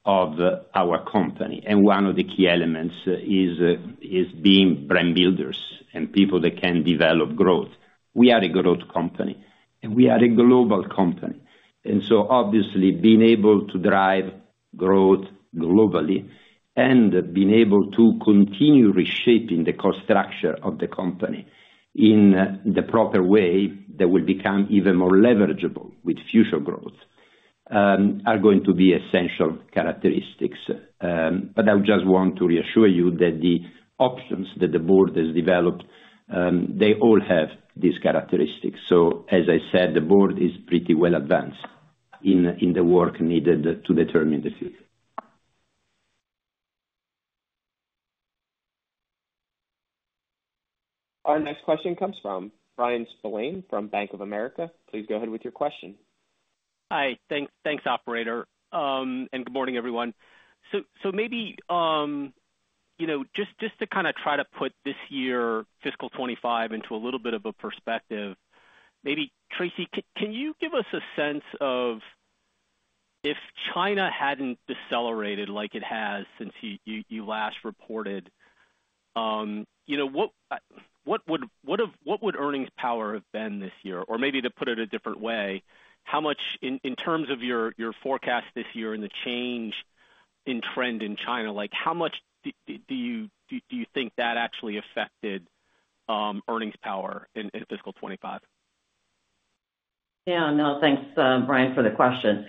of our company, and one of the key elements is being brand builders and people that can develop growth. We are a growth company, and we are a global company, and so obviously, being able to drive growth globally and being able to continue reshaping the cost structure of the company in the proper way that will become even more leverageable with future growth, are going to be essential characteristics, but I just want to reassure you that the options that the board has developed, they all have these characteristics, so as I said, the board is pretty well advanced in the work needed to determine the future. Our next question comes from Brian Spillane from Bank of America. Please go ahead with your question. Hi. Thanks, thanks, operator, and good morning, everyone. So maybe, you know, just to kind of try to put this year, fiscal 25, into a little bit of a perspective, maybe Tracey, can you give us a sense of, if China hadn't decelerated like it has since you last reported, you know, what would earnings power have been this year? Or maybe to put it a different way, how much in terms of your forecast this year and the change in trend in China, like, how much do you think that actually affected earnings power in fiscal 25? Yeah. No, thanks, Brian, for the question.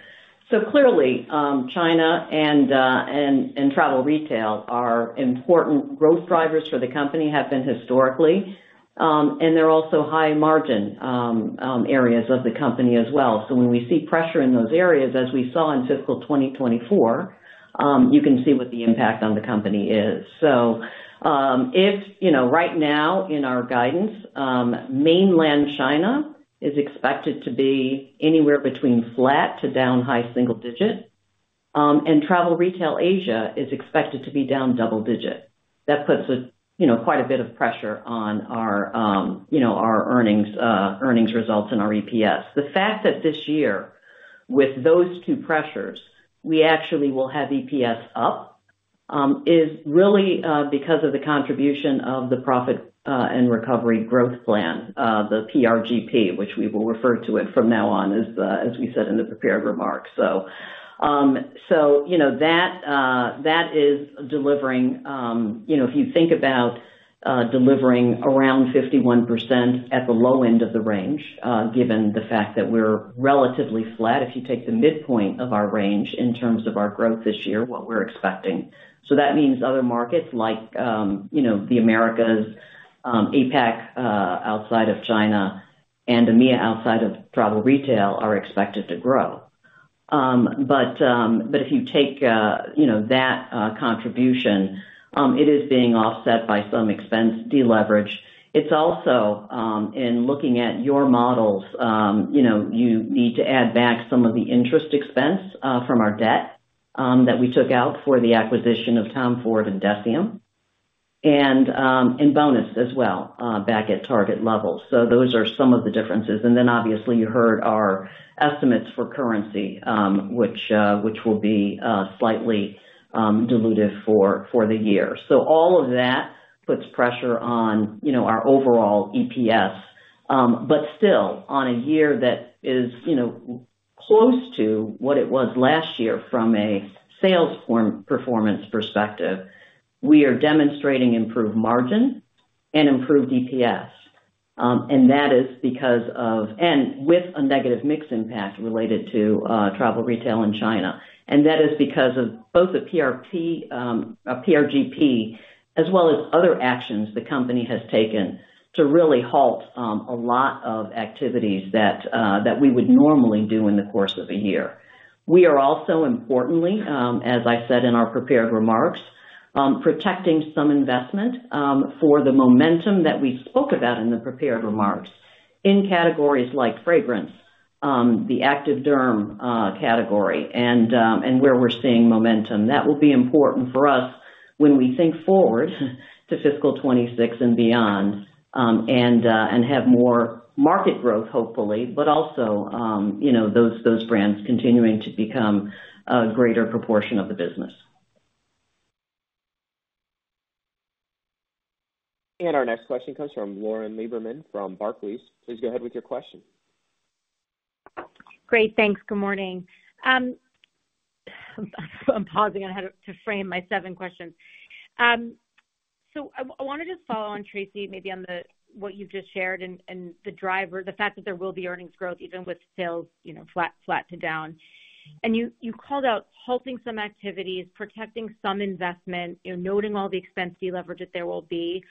So clearly, China and travel retail are important growth drivers for the company, have been historically, and they're also high margin areas of the company as well. So when we see pressure in those areas, as we saw in fiscal 2024, you can see what the impact on the company is. So, you know, right now in our guidance, mainland China is expected to be anywhere between flat to down high single-digit. And travel retail Asia is expected to be down double-digit. That puts, you know, quite a bit of pressure on our, you know, our earnings results and our EPS. The fact that this year, with those two pressures, we actually will have EPS up, is really, because of the contribution of the Profit Recovery and Growth Plan, the PRGP, which we will refer to it from now on, as the, as we said in the prepared remarks. So, you know, that is delivering, you know, if you think about, delivering around 51% at the low end of the range, given the fact that we're relatively flat, if you take the midpoint of our range in terms of our growth this year, what we're expecting. So that means other markets like, you know, the Americas, APAC, outside of China and EMEA, outside of travel retail, are expected to grow. But if you take, you know, that contribution, it is being offset by some expense deleverage. It's also, in looking at your models, you know, you need to add back some of the interest expense, from our debt, that we took out for the acquisition of Tom Ford and Deciem, and bonus as well, back at target levels. So those are some of the differences. And then obviously, you heard our estimates for currency, which will be slightly dilutive for the year. So all of that puts pressure on, you know, our overall EPS. But still, on a year that is, you know, close to what it was last year from a sales performance perspective, we are demonstrating improved margin and improved EPS. And that is because of... With a negative mix impact related to travel retail in China. That is because of both the PRGP, as well as other actions the company has taken to really halt a lot of activities that we would normally do in the course of a year. We are also importantly, as I said in our prepared remarks, protecting some investment for the momentum that we spoke about in the prepared remarks, in categories like fragrance, the active derm category and where we're seeing momentum. That will be important for us when we think forward to fiscal 26 and beyond, and have more market growth, hopefully, but also, you know, those brands continuing to become a greater proportion of the business. Our next question comes from Lauren Lieberman from Barclays. Please go ahead with your question. Great. Thanks. Good morning. I'm pausing on how to frame my seven questions. So I wanted to follow on, Tracey, maybe on what you've just shared and the driver, the fact that there will be earnings growth even with sales, you know, flat to down. And you called out halting some activities, protecting some investment, you know, noting all the expense deleverage that there will be.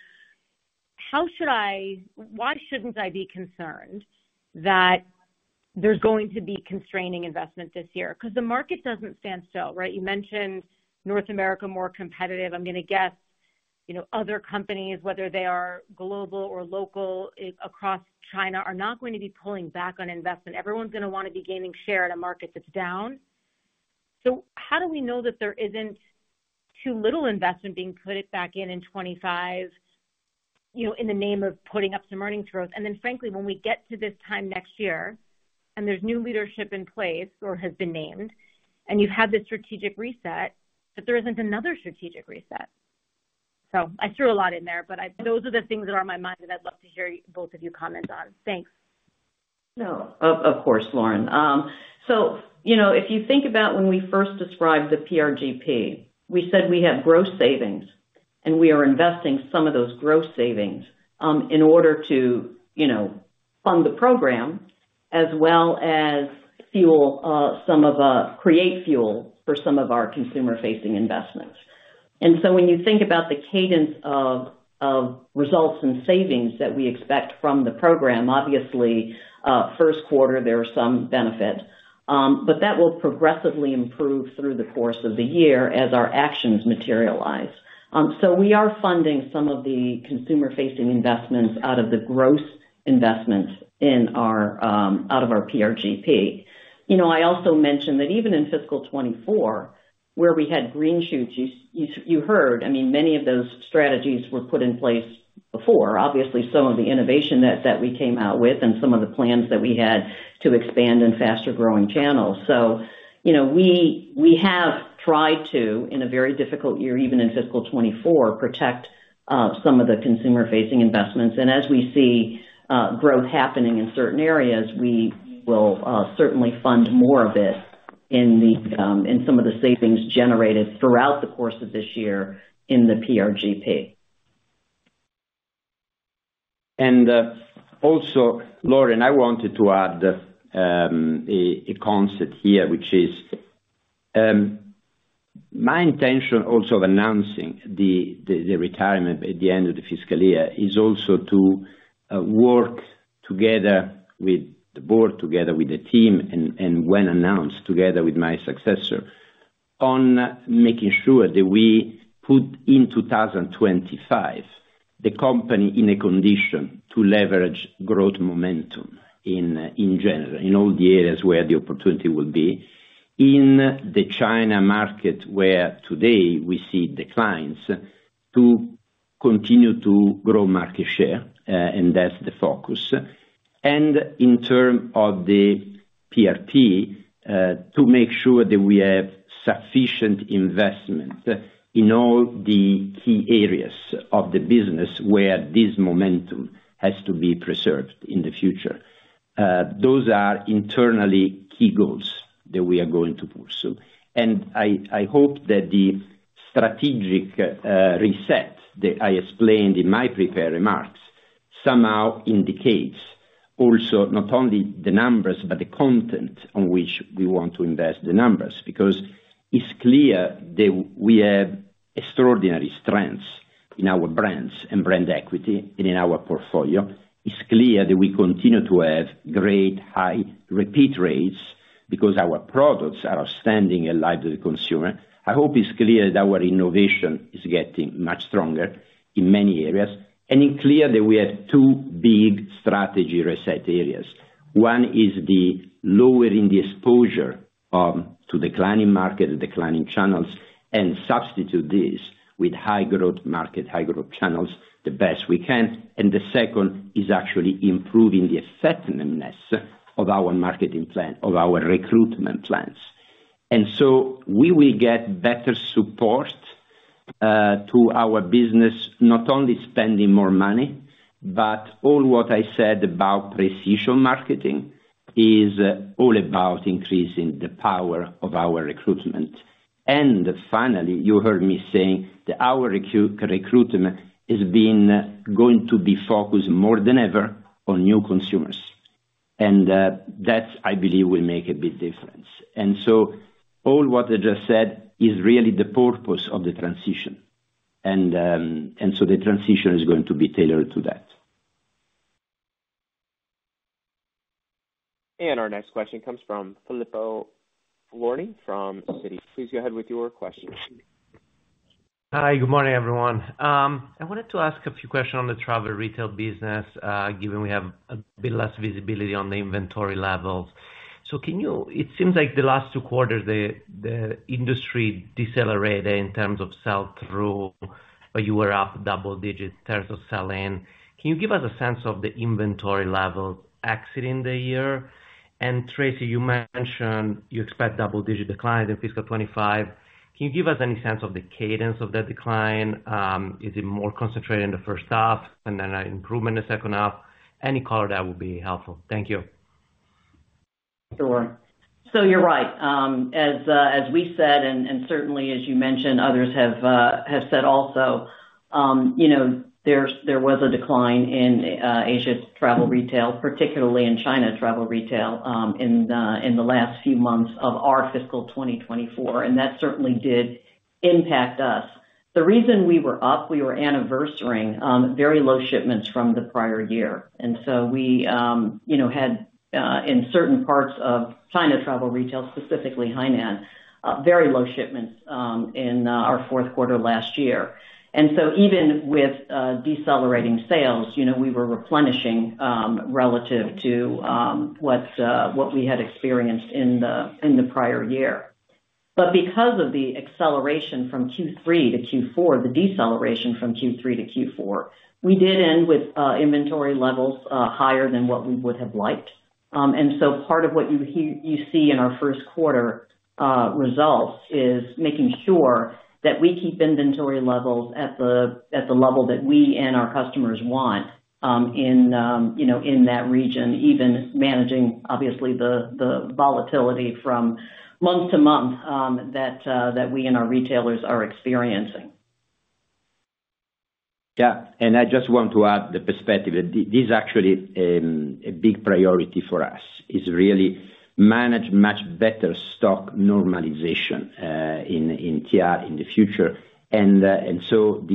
How should I? Why shouldn't I be concerned that there's going to be constraining investment this year? Because the market doesn't stand still, right? You mentioned North America, more competitive. I'm gonna guess, you know, other companies, whether they are global or local, in across China, are not going to be pulling back on investment. Everyone's gonna wanna be gaining share in a market that's down. So how do we know that there isn't too little investment being put back in in 25, you know, in the name of putting up some earnings growth? And then frankly, when we get to this time next year and there's new leadership in place or has been named, and you've had this strategic reset, that there isn't another strategic reset? So I threw a lot in there, but those are the things that are on my mind, and I'd love to hear both of you comment on. Thanks. No, of course, Lauren. So you know, if you think about when we first described the PRGP, we said we have gross savings, and we are investing some of those gross savings in order to, you know, fund the program, as well as fuel some of create fuel for some of our consumer-facing investments. And so when you think about the cadence of results and savings that we expect from the program, obviously Q1, there are some benefits. But that will progressively improve through the course of the year as our actions materialize. So we are funding some of the consumer-facing investments out of the gross investments in our out of our PRGP. You know, I also mentioned that even in fiscal 2024, where we had green shoots, you heard, I mean, many of those strategies were put in place before. Obviously, some of the innovation that we came out with and some of the plans that we had to expand in faster-growing channels. So you know, we have tried to, in a very difficult year, even in fiscal 2024, protect some of the consumer-facing investments. And as we see growth happening in certain areas, we will certainly fund more of it in some of the savings generated throughout the course of this year in the PRGP. Also, Lauren, I wanted to add a concept here, which is my intention also of announcing the retirement at the end of the fiscal year. This is also to work together with the board, together with the team, and, when announced, together with my successor, on making sure that we put the company in 2025 in a condition to leverage growth momentum in general, in all the areas where the opportunity will be. In the China market, where today we see declines, to continue to grow market share, and that's the focus. In terms of the PRT, to make sure that we have sufficient investment in all the key areas of the business where this momentum has to be preserved in the future. Those are internally key goals that we are going to pursue. And I hope that the strategic reset that I explained in my prepared remarks somehow indicates also not only the numbers, but the content on which we want to invest the numbers. Because it's clear that we have extraordinary strengths in our brands and brand equity and in our portfolio. It's clear that we continue to have great high repeat rates, because our products are outstanding and live to the consumer. I hope it's clear that our innovation is getting much stronger in many areas, and it's clear that we have two big strategy reset areas. One is lowering the exposure to declining market and declining channels, and substitute this with high growth market, high growth channels, the best we can. And the second is actually improving the effectiveness of our marketing plan, of our recruitment plans. And so we will get better support to our business, not only spending more money, but all what I said about precision marketing is all about increasing the power of our recruitment. And finally, you heard me saying that our recruitment is going to be focused more than ever on new consumers. And that, I believe, will make a big difference. And so all what I just said is really the purpose of the transition. And so the transition is going to be tailored to that. Our next question comes from Filippo Falorni from Citi. Please go ahead with your question. Hi, good morning, everyone. I wanted to ask a few questions on the travel retail business, given we have a bit less visibility on the inventory levels. It seems like the last two quarters, the industry decelerated in terms of sell through, but you were up double digits in terms of sell in. Can you give us a sense of the inventory levels exiting the year? And Tracey, you mentioned you expect double-digit decline in fiscal 2025. Can you give us any sense of the cadence of that decline? Is it more concentrated in the first half and then an improvement in the second half? Any color, that would be helpful. Thank you. Sure. So you're right. As we said, and certainly as you mentioned, others have said also, you know, there was a decline in Asia's travel retail, particularly in China travel retail, in the last few months of our fiscal 2024, and that certainly did impact us. The reason we were up, we were anniversarying very low shipments from the prior year. And so we, you know, had in certain parts of China travel retail, specifically Hainan, very low shipments in our Q4 last year. And so even with decelerating sales, you know, we were replenishing relative to what we had experienced in the prior year. But because of the acceleration from Q3 to Q4, the deceleration from Q3 to Q4, we did end with inventory levels higher than what we would have liked. And so part of what you see in our Q1 results is making sure that we keep inventory levels at the level that we and our customers want, you know, in that region, even managing obviously the volatility from month to month that we and our retailers are experiencing. Yeah, and I just want to add the perspective that this is actually a big priority for us, is really manage much better stock normalization in TR in the future. And so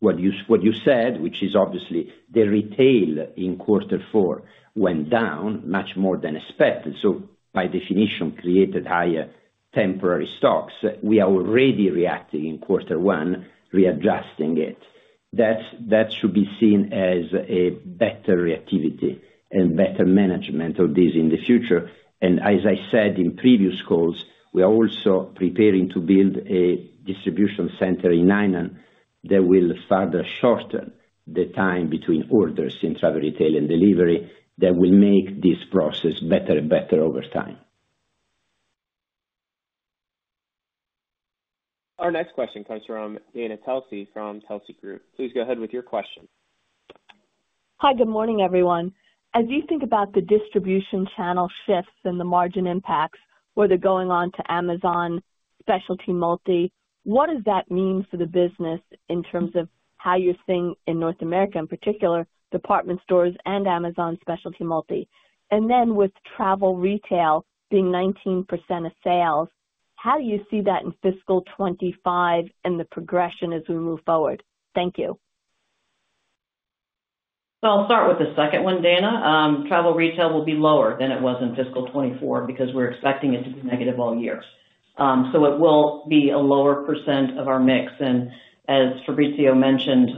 what you said, which is obviously the retail in Q4, went down much more than expected, so by definition created higher temporary stocks. We are already reacting in Q1, readjusting it. That's that should be seen as a better reactivity and better management of this in the future. And as I said in previous calls, we are also preparing to build a distribution center in Hainan that will further shorten the time between orders in travel retail and delivery, that will make this process better and better over time. Our next question comes from Dana Telsey, from Telsey Advisory Group. Please go ahead with your question. Hi, good morning, everyone. As you think about the distribution channel shifts and the margin impacts, whether going on to Amazon, specialty multi, what does that mean for the business in terms of how you're seeing, in North America in particular, department stores and Amazon, specialty multi? And then with travel retail being 19% of sales, how do you see that in fiscal 25 and the progression as we move forward? Thank you. ... So I'll start with the second one, Dana. Travel retail will be lower than it was in fiscal 2024, because we're expecting it to be negative all year. So it will be a lower % of our mix, and as Fabrizio mentioned,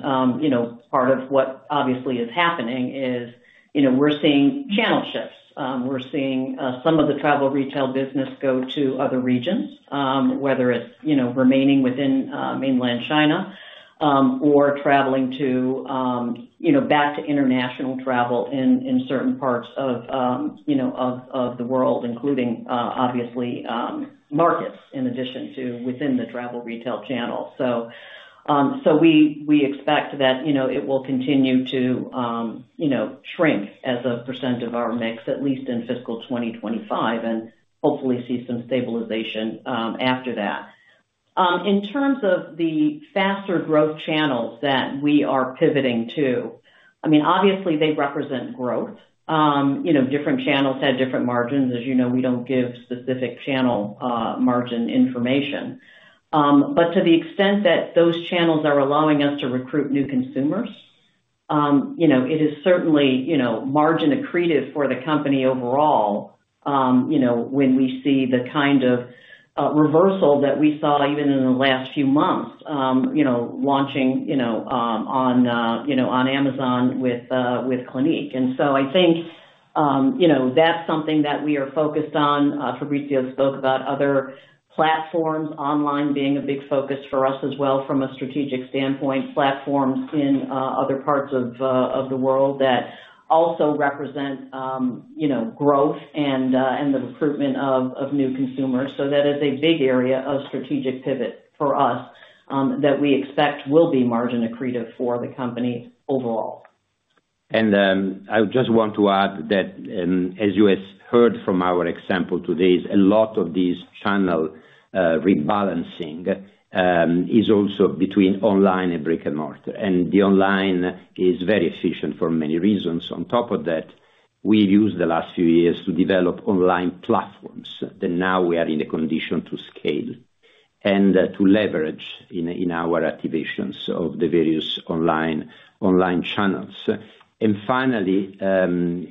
you know, part of what obviously is happening is, you know, we're seeing channel shifts. We're seeing some of the travel retail business go to other regions, whether it's, you know, remaining within mainland China, or traveling to, you know, back to international travel in certain parts of the world, including, obviously, markets, in addition to within the travel retail channel. So we expect that, you know, it will continue to, you know, shrink as a % of our mix, at least in fiscal 2025, and hopefully see some stabilization, after that. In terms of the faster growth channels that we are pivoting to, I mean, obviously, they represent growth. You know, different channels have different margins. As you know, we don't give specific channel, margin information. But to the extent that those channels are allowing us to recruit new consumers, you know, it is certainly, you know, margin accretive for the company overall, you know, when we see the kind of, reversal that we saw even in the last few months, you know, launching, you know, on, you know, on Amazon with, with Clinique. I think, you know, that's something that we are focused on. Fabrizio spoke about other platforms, online being a big focus for us as well from a strategic standpoint. Platforms in other parts of the world that also represent, you know, growth and the recruitment of new consumers. That is a big area of strategic pivot for us, that we expect will be margin accretive for the company overall. And, I just want to add that, as you has heard from our example today, a lot of these channel rebalancing is also between online and brick-and-mortar, and the online is very efficient for many reasons. On top of that, we've used the last few years to develop online platforms that now we are in the condition to scale and to leverage in our activations of the various online channels. And finally,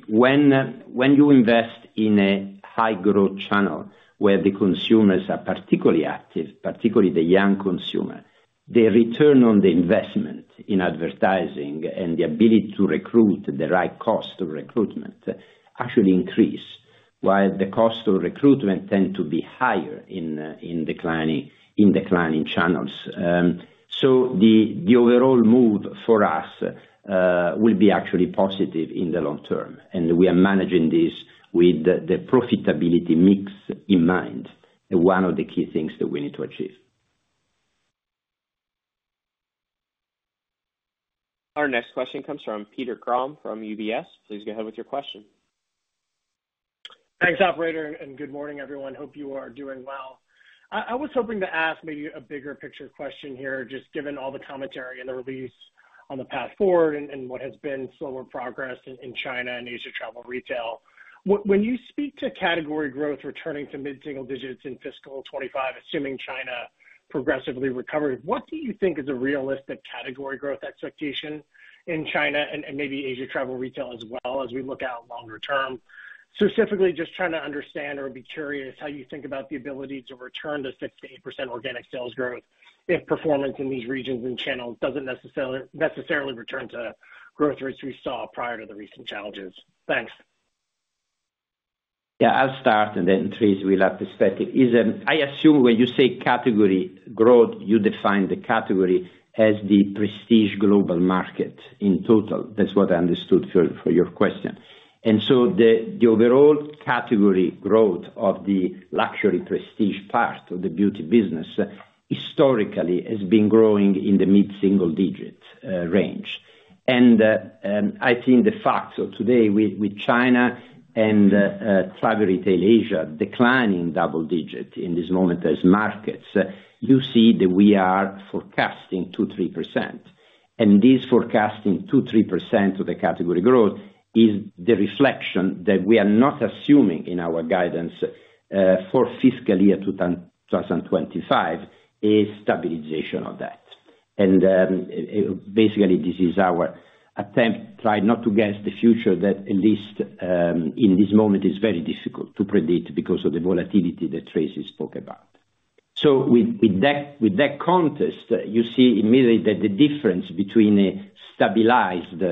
when you invest in a high growth channel where the consumers are particularly active, particularly the young consumer, the return on the investment in advertising and the ability to recruit the right cost of recruitment actually increase, while the cost of recruitment tend to be higher in declining channels. The overall move for us will be actually positive in the long term, and we are managing this with the profitability mix in mind, one of the key things that we need to achieve. Our next question comes from Peter Grom from UBS. Please go ahead with your question. Thanks, operator, and good morning, everyone. Hope you are doing well. I was hoping to ask maybe a bigger picture question here, just given all the commentary and the release on the path forward and what has been slower progress in China and Asia travel retail. When you speak to category growth returning to mid-single digits in fiscal 2025, assuming China progressively recovered, what do you think is a realistic category growth expectation in China and maybe Asia travel retail as well as we look out longer term? Specifically, just trying to understand or be curious how you think about the ability to return to 6%-8% organic sales growth if performance in these regions and channels doesn't necessarily return to growth rates we saw prior to the recent challenges. Thanks. Yeah, I'll start, and then Tracey will have the perspective. Is I assume when you say category growth, you define the category as the prestige global market in total. That's what I understood for your question. And so the overall category growth of the luxury prestige part of the beauty business, historically, has been growing in the mid-single digit range. And I think the fact of today with China and travel retail Asia declining double-digit in this moment as markets, you see that we are forecasting 2-3%, and this forecasting 2-3% of the category growth is the reflection that we are not assuming in our guidance for Fiscal Year 2025, a stabilization of that. And, basically, this is our attempt, try not to guess the future, that at least, in this moment, is very difficult to predict because of the volatility that Tracey spoke about. So with that context, you see immediately that the difference between a stabilized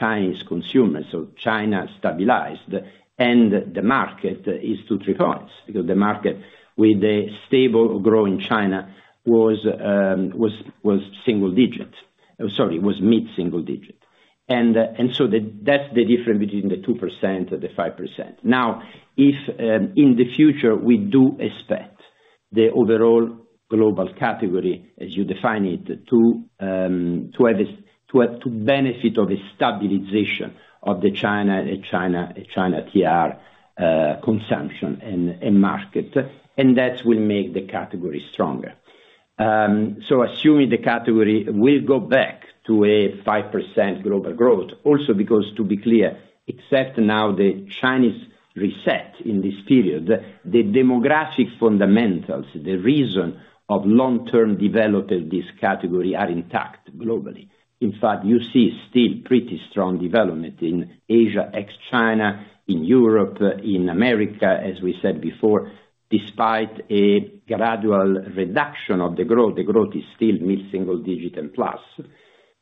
Chinese consumer, so China stabilized, and the market is two, three points, because the market with a stable growing China was single digits. Sorry, was mid-single digit. And so that's the difference between the 2% or the 5%. Now, if in the future, we do expect the overall global category, as you define it, to have to benefit of a stabilization of the China TR consumption and market, and that will make the category stronger. So assuming the category will go back to a 5% global growth, also because, to be clear, except now the Chinese reset in this period, the demographic fundamentals, the reason of long-term development of this category are intact globally. In fact, you see still pretty strong development in Asia, ex-China, in Europe, in America, as we said before, despite a gradual reduction of the growth, the growth is still mid-single digit and plus.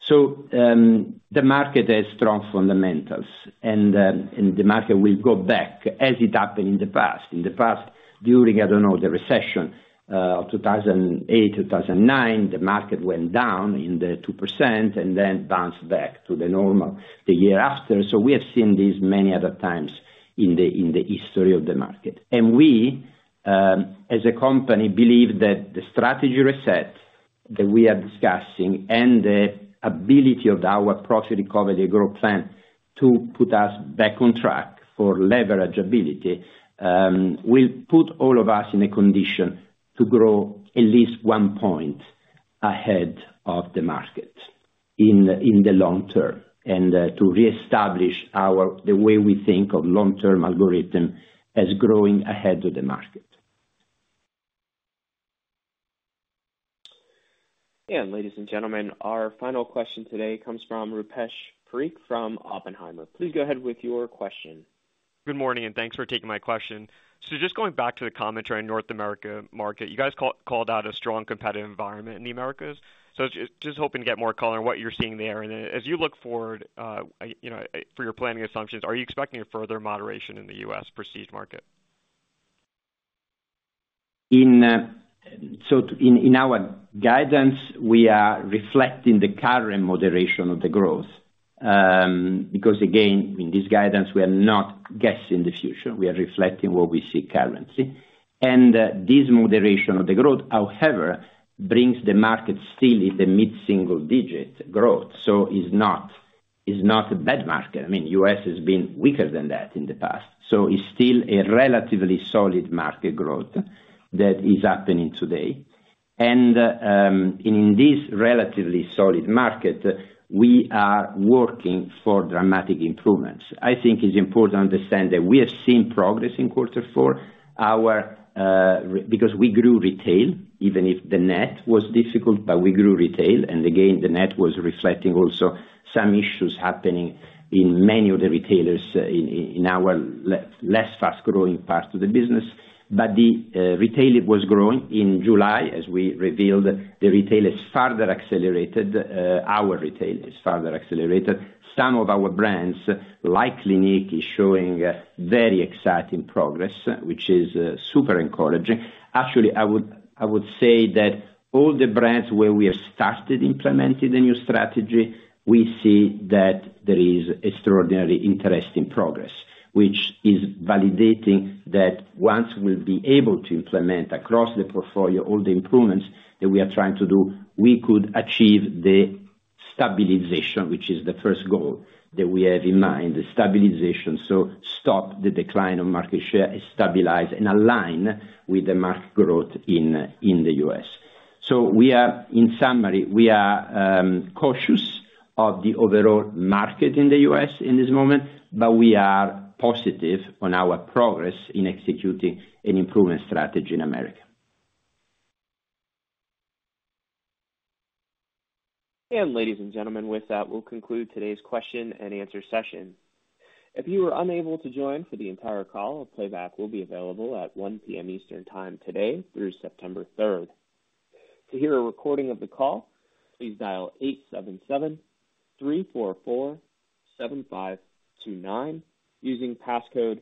So the market has strong fundamentals, and the market will go back as it happened in the past. In the past, during, I don't know, the recession of 2008, 2009, the market went down 2% and then bounced back to the normal the year after. So we have seen this many other times in the history of the market. We, as a company, believe that the strategy reset that we are discussing and the ability of our Profit Recovery and Growth Plan to put us back on track for leverage ability will put all of us in a condition to grow at least one point ahead of the market in the long term, and to reestablish the way we think of long-term algorithm as growing ahead of the market. Ladies and gentlemen, our final question today comes from Rupesh Parikh from Oppenheimer. Please go ahead with your question. Good morning, and thanks for taking my question. So just going back to the commentary on North America market, you guys called out a strong competitive environment in the Americas. So just hoping to get more color on what you're seeing there. And as you look forward, you know, for your planning assumptions, are you expecting a further moderation in the U.S. prestige market? So in our guidance, we are reflecting the current moderation of the growth, because, again, in this guidance, we are not guessing the future. We are reflecting what we see currently. And this moderation of the growth, however, brings the market still in the mid-single digit growth, so is not a bad market. I mean, U.S. has been weaker than that in the past, so it's still a relatively solid market growth that is happening today. And in this relatively solid market, we are working for dramatic improvements. I think it's important to understand that we have seen progress in Q4. Because we grew retail, even if the net was difficult, but we grew retail, and again, the net was reflecting also some issues happening in many of the retailers in our less fast growing parts of the business. But the retail was growing in July, as we revealed, the retail is further accelerated, our retail is further accelerated. Some of our brands, like Clinique, is showing very exciting progress, which is super encouraging. Actually, I would say that all the brands where we have started implementing the new strategy, we see that there is extraordinary interesting progress, which is validating that once we'll be able to implement across the portfolio all the improvements that we are trying to do, we could achieve the stabilization, which is the first goal that we have in mind, the stabilization. So stop the decline of market share, stabilize and align with the market growth in the U.S. So we are in summary cautious of the overall market in the U.S. in this moment, but we are positive on our progress in executing an improvement strategy in America. Ladies and gentlemen, with that, we'll conclude today's question and answer session. If you were unable to join for the entire call, a playback will be available at 1:00 P.M. Eastern Time today through September third. To hear a recording of the call, please dial eight seven seven three four four seven five two nine, using passcode